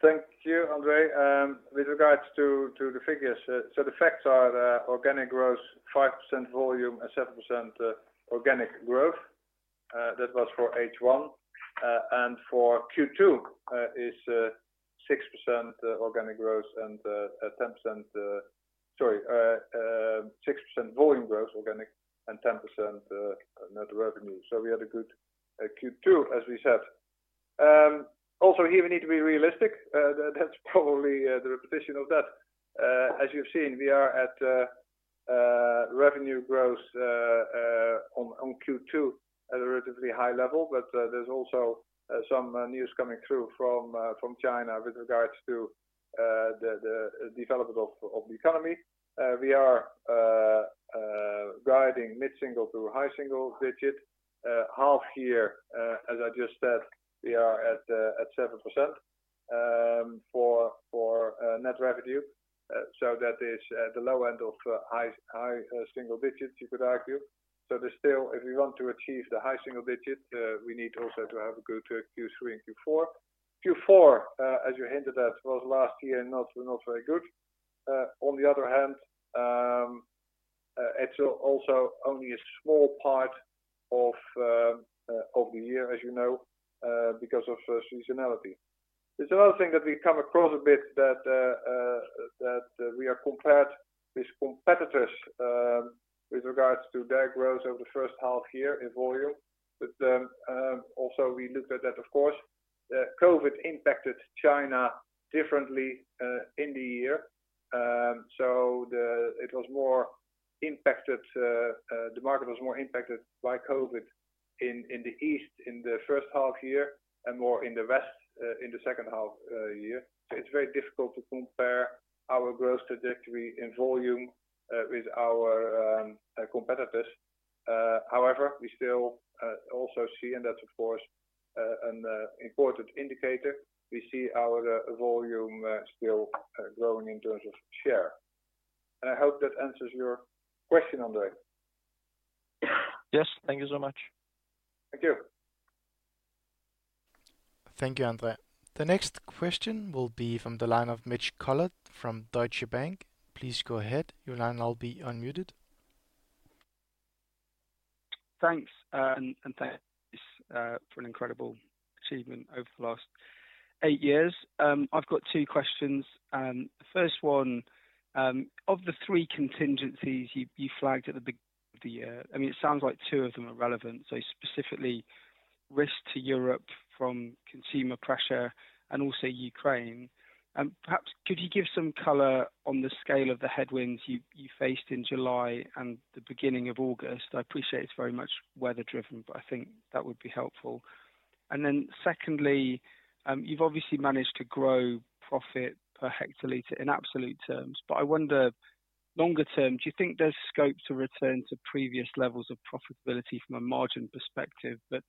Thank you, André. With regards to the figures, so the facts are that organic growth, 5% volume and 7% organic growth, that was for H1. For Q2, is 6% organic growth and 10%-- sorry, 6% volume growth organic and 10% net revenue. We had a good Q2, as we said. Also here we need to be realistic, that's probably the repetition of that. As you've seen, we are at revenue growth on Q2 at a relatively high level, but there's also some news coming through from China with regards to the development of the economy. We are guiding mid-single to high-single digit half year, as I just said, we are at 7% for net revenue. That is at the low end of high-single digits, you could argue. There's still if we want to achieve the high-single digit, we need also to have a good Q3 and Q4. Q4, as you hinted at, was last year, not very good. On the other hand, it's also only a small part of the year, as you know, because of seasonality. There's another thing that we come across a bit that we are compared with competitors with regards to their growth over the first half year in volume. Also, we looked at that, of course, COVID impacted China differently in the year. It was more impacted. The market was more impacted by COVID in the east in the first half year and more in the west in the second half year. It's very difficult to compare our growth trajectory in volume with our competitors. However, we still also see, and that's of course an important indicator, we see our volume still growing in terms of share. I hope that answers your question, André. Yes. Thank you so much. Thank you. Thank you, André. The next question will be from the line of Mitch Collett from Deutsche Bank. Please go ahead. Your line will now be unmuted. Thanks, and thanks for an incredible achievement over the last eight years. I've got two questions. The first one, of the three contingencies you, you flagged at the beginning of the year, I mean, it sounds like two of them are relevant. Specifically, risk to Europe from consumer pressure and also Ukraine. Perhaps could you give some color on the scale of the headwinds you, you faced in July and the beginning of August? I appreciate it's very much weather driven, but I think that would be helpful. Then secondly, you've obviously managed to grow profit per hectolitre in absolute terms, but I wonder, longer term, do you think there's scope to return to previous levels of profitability from a margin perspective, but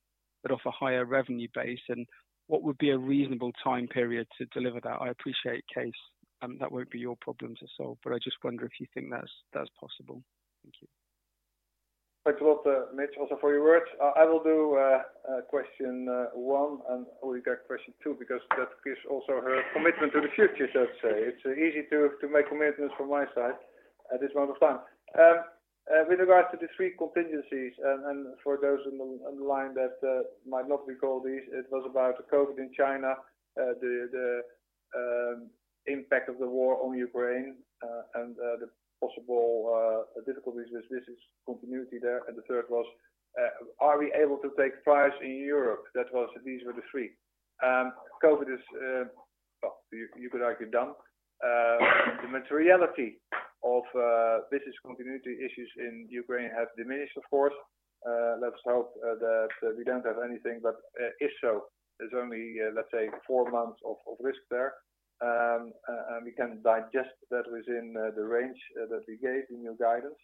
off a higher revenue base? What would be a reasonable time period to deliver that? I appreciate, Cees, that won't be your problem to solve, but I just wonder if you think that's, that's possible. Thank you. Thanks a lot, Mitch, also for your words. I will do question one, and Ulrica question two, because that gives also her commitment to the future, so to say. It's easy to make commitments from my side at this moment of time. With regards to the three contingencies, and for those on the line that might not recall these, it was about the COVID in China, the impact of the war on Ukraine, and the possible difficulties with business continuity there. The third was, are we able to take price in Europe? These were the three. COVID is, well, you could argue, done. The materiality of business continuity issues in Ukraine have diminished, of course. Let's hope that we don't have anything, but if so, there's only, let's say, four months of risk there. We can digest that within the range that we gave in your guidance.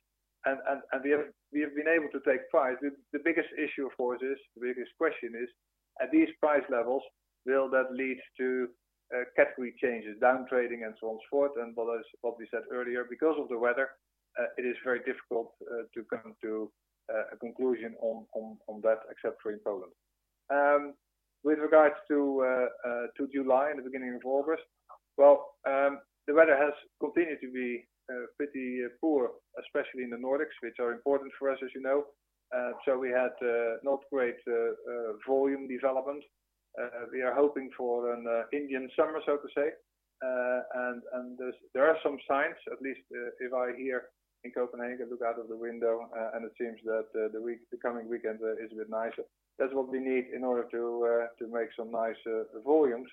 We have been able to take price. The biggest issue for this, the biggest question is, at these price levels, will that lead to category changes, downtrading, and so on and so forth? As what we said earlier, because of the weather, it is very difficult to come to a conclusion on that, except for in Poland. With regards to July and the beginning of August, well, the weather has continued to be pretty poor, especially in the Nordics, which are important for us, as you know. We had not great volume development. We are hoping for an Indian summer, so to say. There are some signs, at least, if I here in Copenhagen, look out of the window, and it seems that the coming weekend is a bit nicer. That's what we need in order to make some nice volumes.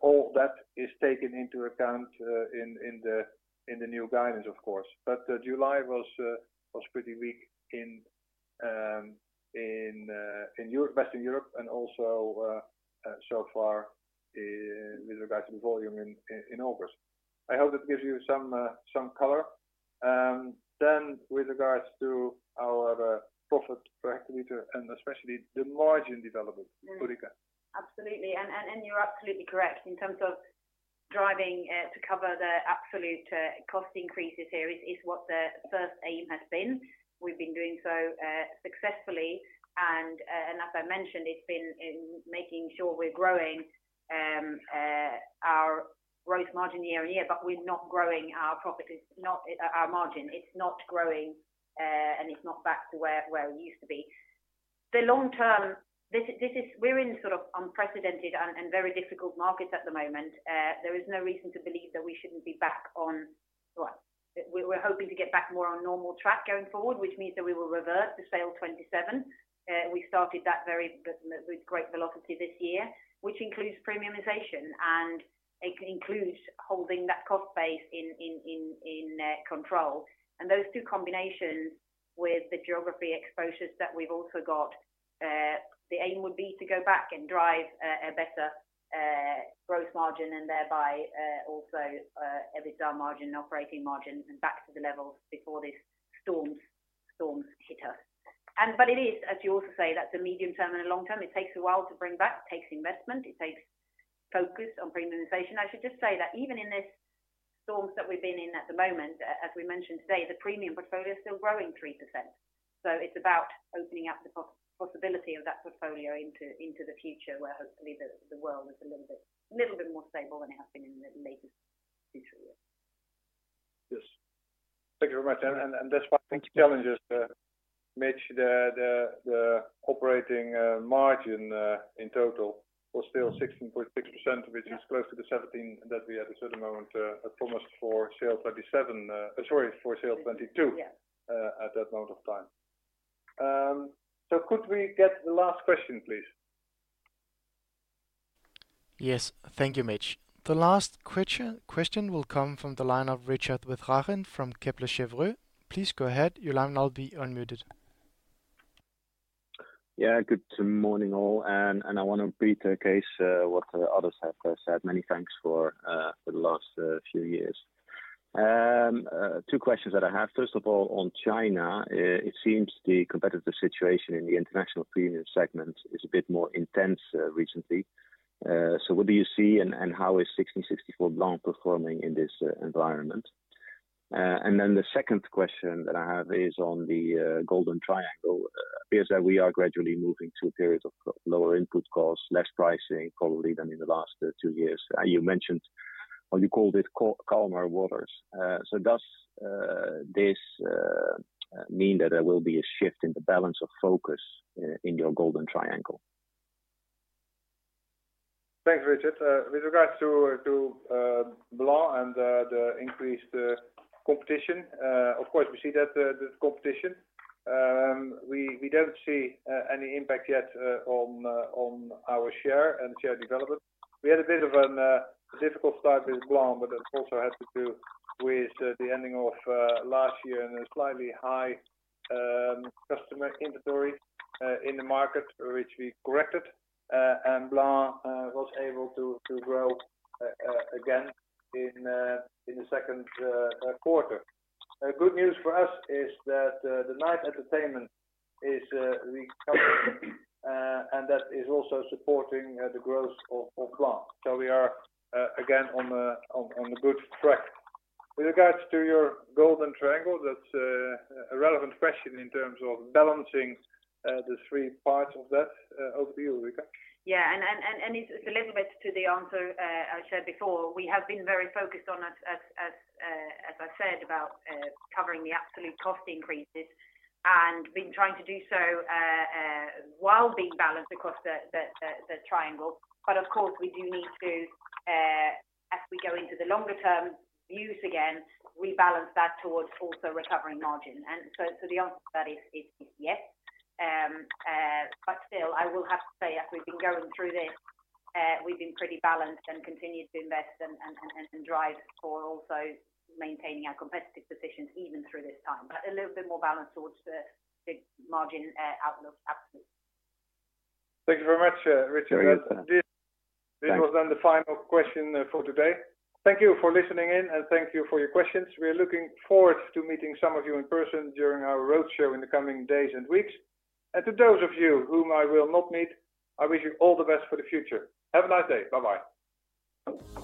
All that is taken into account in the new guidance, of course. July was pretty weak in Europe, Western Europe, and also so far with regards to volume in August. I hope that gives you some color. With regards to our profit per liter, and especially the margin development, Ulrica? Absolutely. You're absolutely correct in terms of driving to cover the absolute cost increases here is what the first aim has been. We've been doing so successfully. As I mentioned, it's been in making sure we're growing our growth margin year-on-year, but we're not growing our profit, it's not our margin. It's not growing, and it's not back to where we used to be. The long term, this is, we're in sort of unprecedented and very difficult markets at the moment. There is no reason to believe that we shouldn't be back on what? We're hoping to get back more on normal track going forward, which means that we will reverse the SAIL'27. We started that very, with great velocity this year, which includes premiumization, and it includes holding that cost base in control. Those two combinations with the geography exposures that we've also got, the aim would be to go back and drive a better growth margin and thereby also EBITDA margin and operating margin back to the levels before these storms hit us. It is, as you also say, that's a medium-term and a long term. It takes a while to bring back, takes investment, it takes focus on premiumization. I should just say that even in this storms that we've been in at the moment, as we mentioned today, the premium portfolio is still growing 3%. It's about opening up the possibility of that portfolio into, into the future, where hopefully the, the world is a little bit, little bit more stable than it has been in the latest few years. Yes. Thank you very much. Thank you. The challenge is, Mitch, the operating margin in total was still 16.6%, which is close to the 17% that we at a certain moment promised for SAIL'27, sorry, for SAIL'22. Yeah... at that moment of time. Could we get the last question, please? Yes. Thank you, Mitch. The last question will come from the line of Richard Withagen from Kepler Cheuvreux. Please go ahead. Your line will now be unmuted. Yeah. Good morning, all. I want to repeat the case, what others have said. Many thanks for, for the last few years. Two questions that I have. First of all, on China, it seems the competitive situation in the international premium segment is a bit more intense recently. What do you see and how is 1664 Blanc performing in this environment? The second question that I have is on the Golden Triangle. It appears that we are gradually moving to a period of lower input costs, less pricing probably than in the last two years. You mentioned, or you called it calmer waters. Does this mean that there will be a shift in the balance of focus in your Golden Triangle? Thanks, Richard. With regards to, to, Blanc and the, the increased, competition, of course, we see that, the, the competition. We, we don't see, any impact yet, on, on our share and share development. We had a bit of an, difficult start with Blanc, but that also had to do with, the ending of, last year and a slightly high, customer inventory, in the market, which we corrected, and Blanc, was able to, to grow, again in, in the second, quarter. Good news for us is that, the night entertainment is, recovering, and that is also supporting, the growth of, of Blanc. We are, again, on a, on, on a good track. With regards to your Golden Triangle, that's a relevant question in terms of balancing the three parts of that. Over to you, Ulrica. Yeah, and, and, and, and it's a little bit to the answer I said before. We have been very focused on as, as, as, as I said, about covering the absolute cost increases and been trying to do so while being balanced across the, the, the, the triangle. Of course, we do need to, as we go into the longer term views, again, rebalance that towards also recovering margin. So, so the answer to that is, is, is yes. Still, I will have to say, as we've been going through this, we've been pretty balanced and continued to invest and, and, and, and drive for also maintaining our competitive positions even through this time. A little bit more balanced towards the, the margin outlook absolutely. Thank you very much, Richard. Very well. This- Thanks. This was then the final question, for today. Thank you for listening in, and thank you for your questions. We are looking forward to meeting some of you in person during our roadshow in the coming days and weeks. To those of you whom I will not meet, I wish you all the best for the future. Have a nice day. Bye-bye.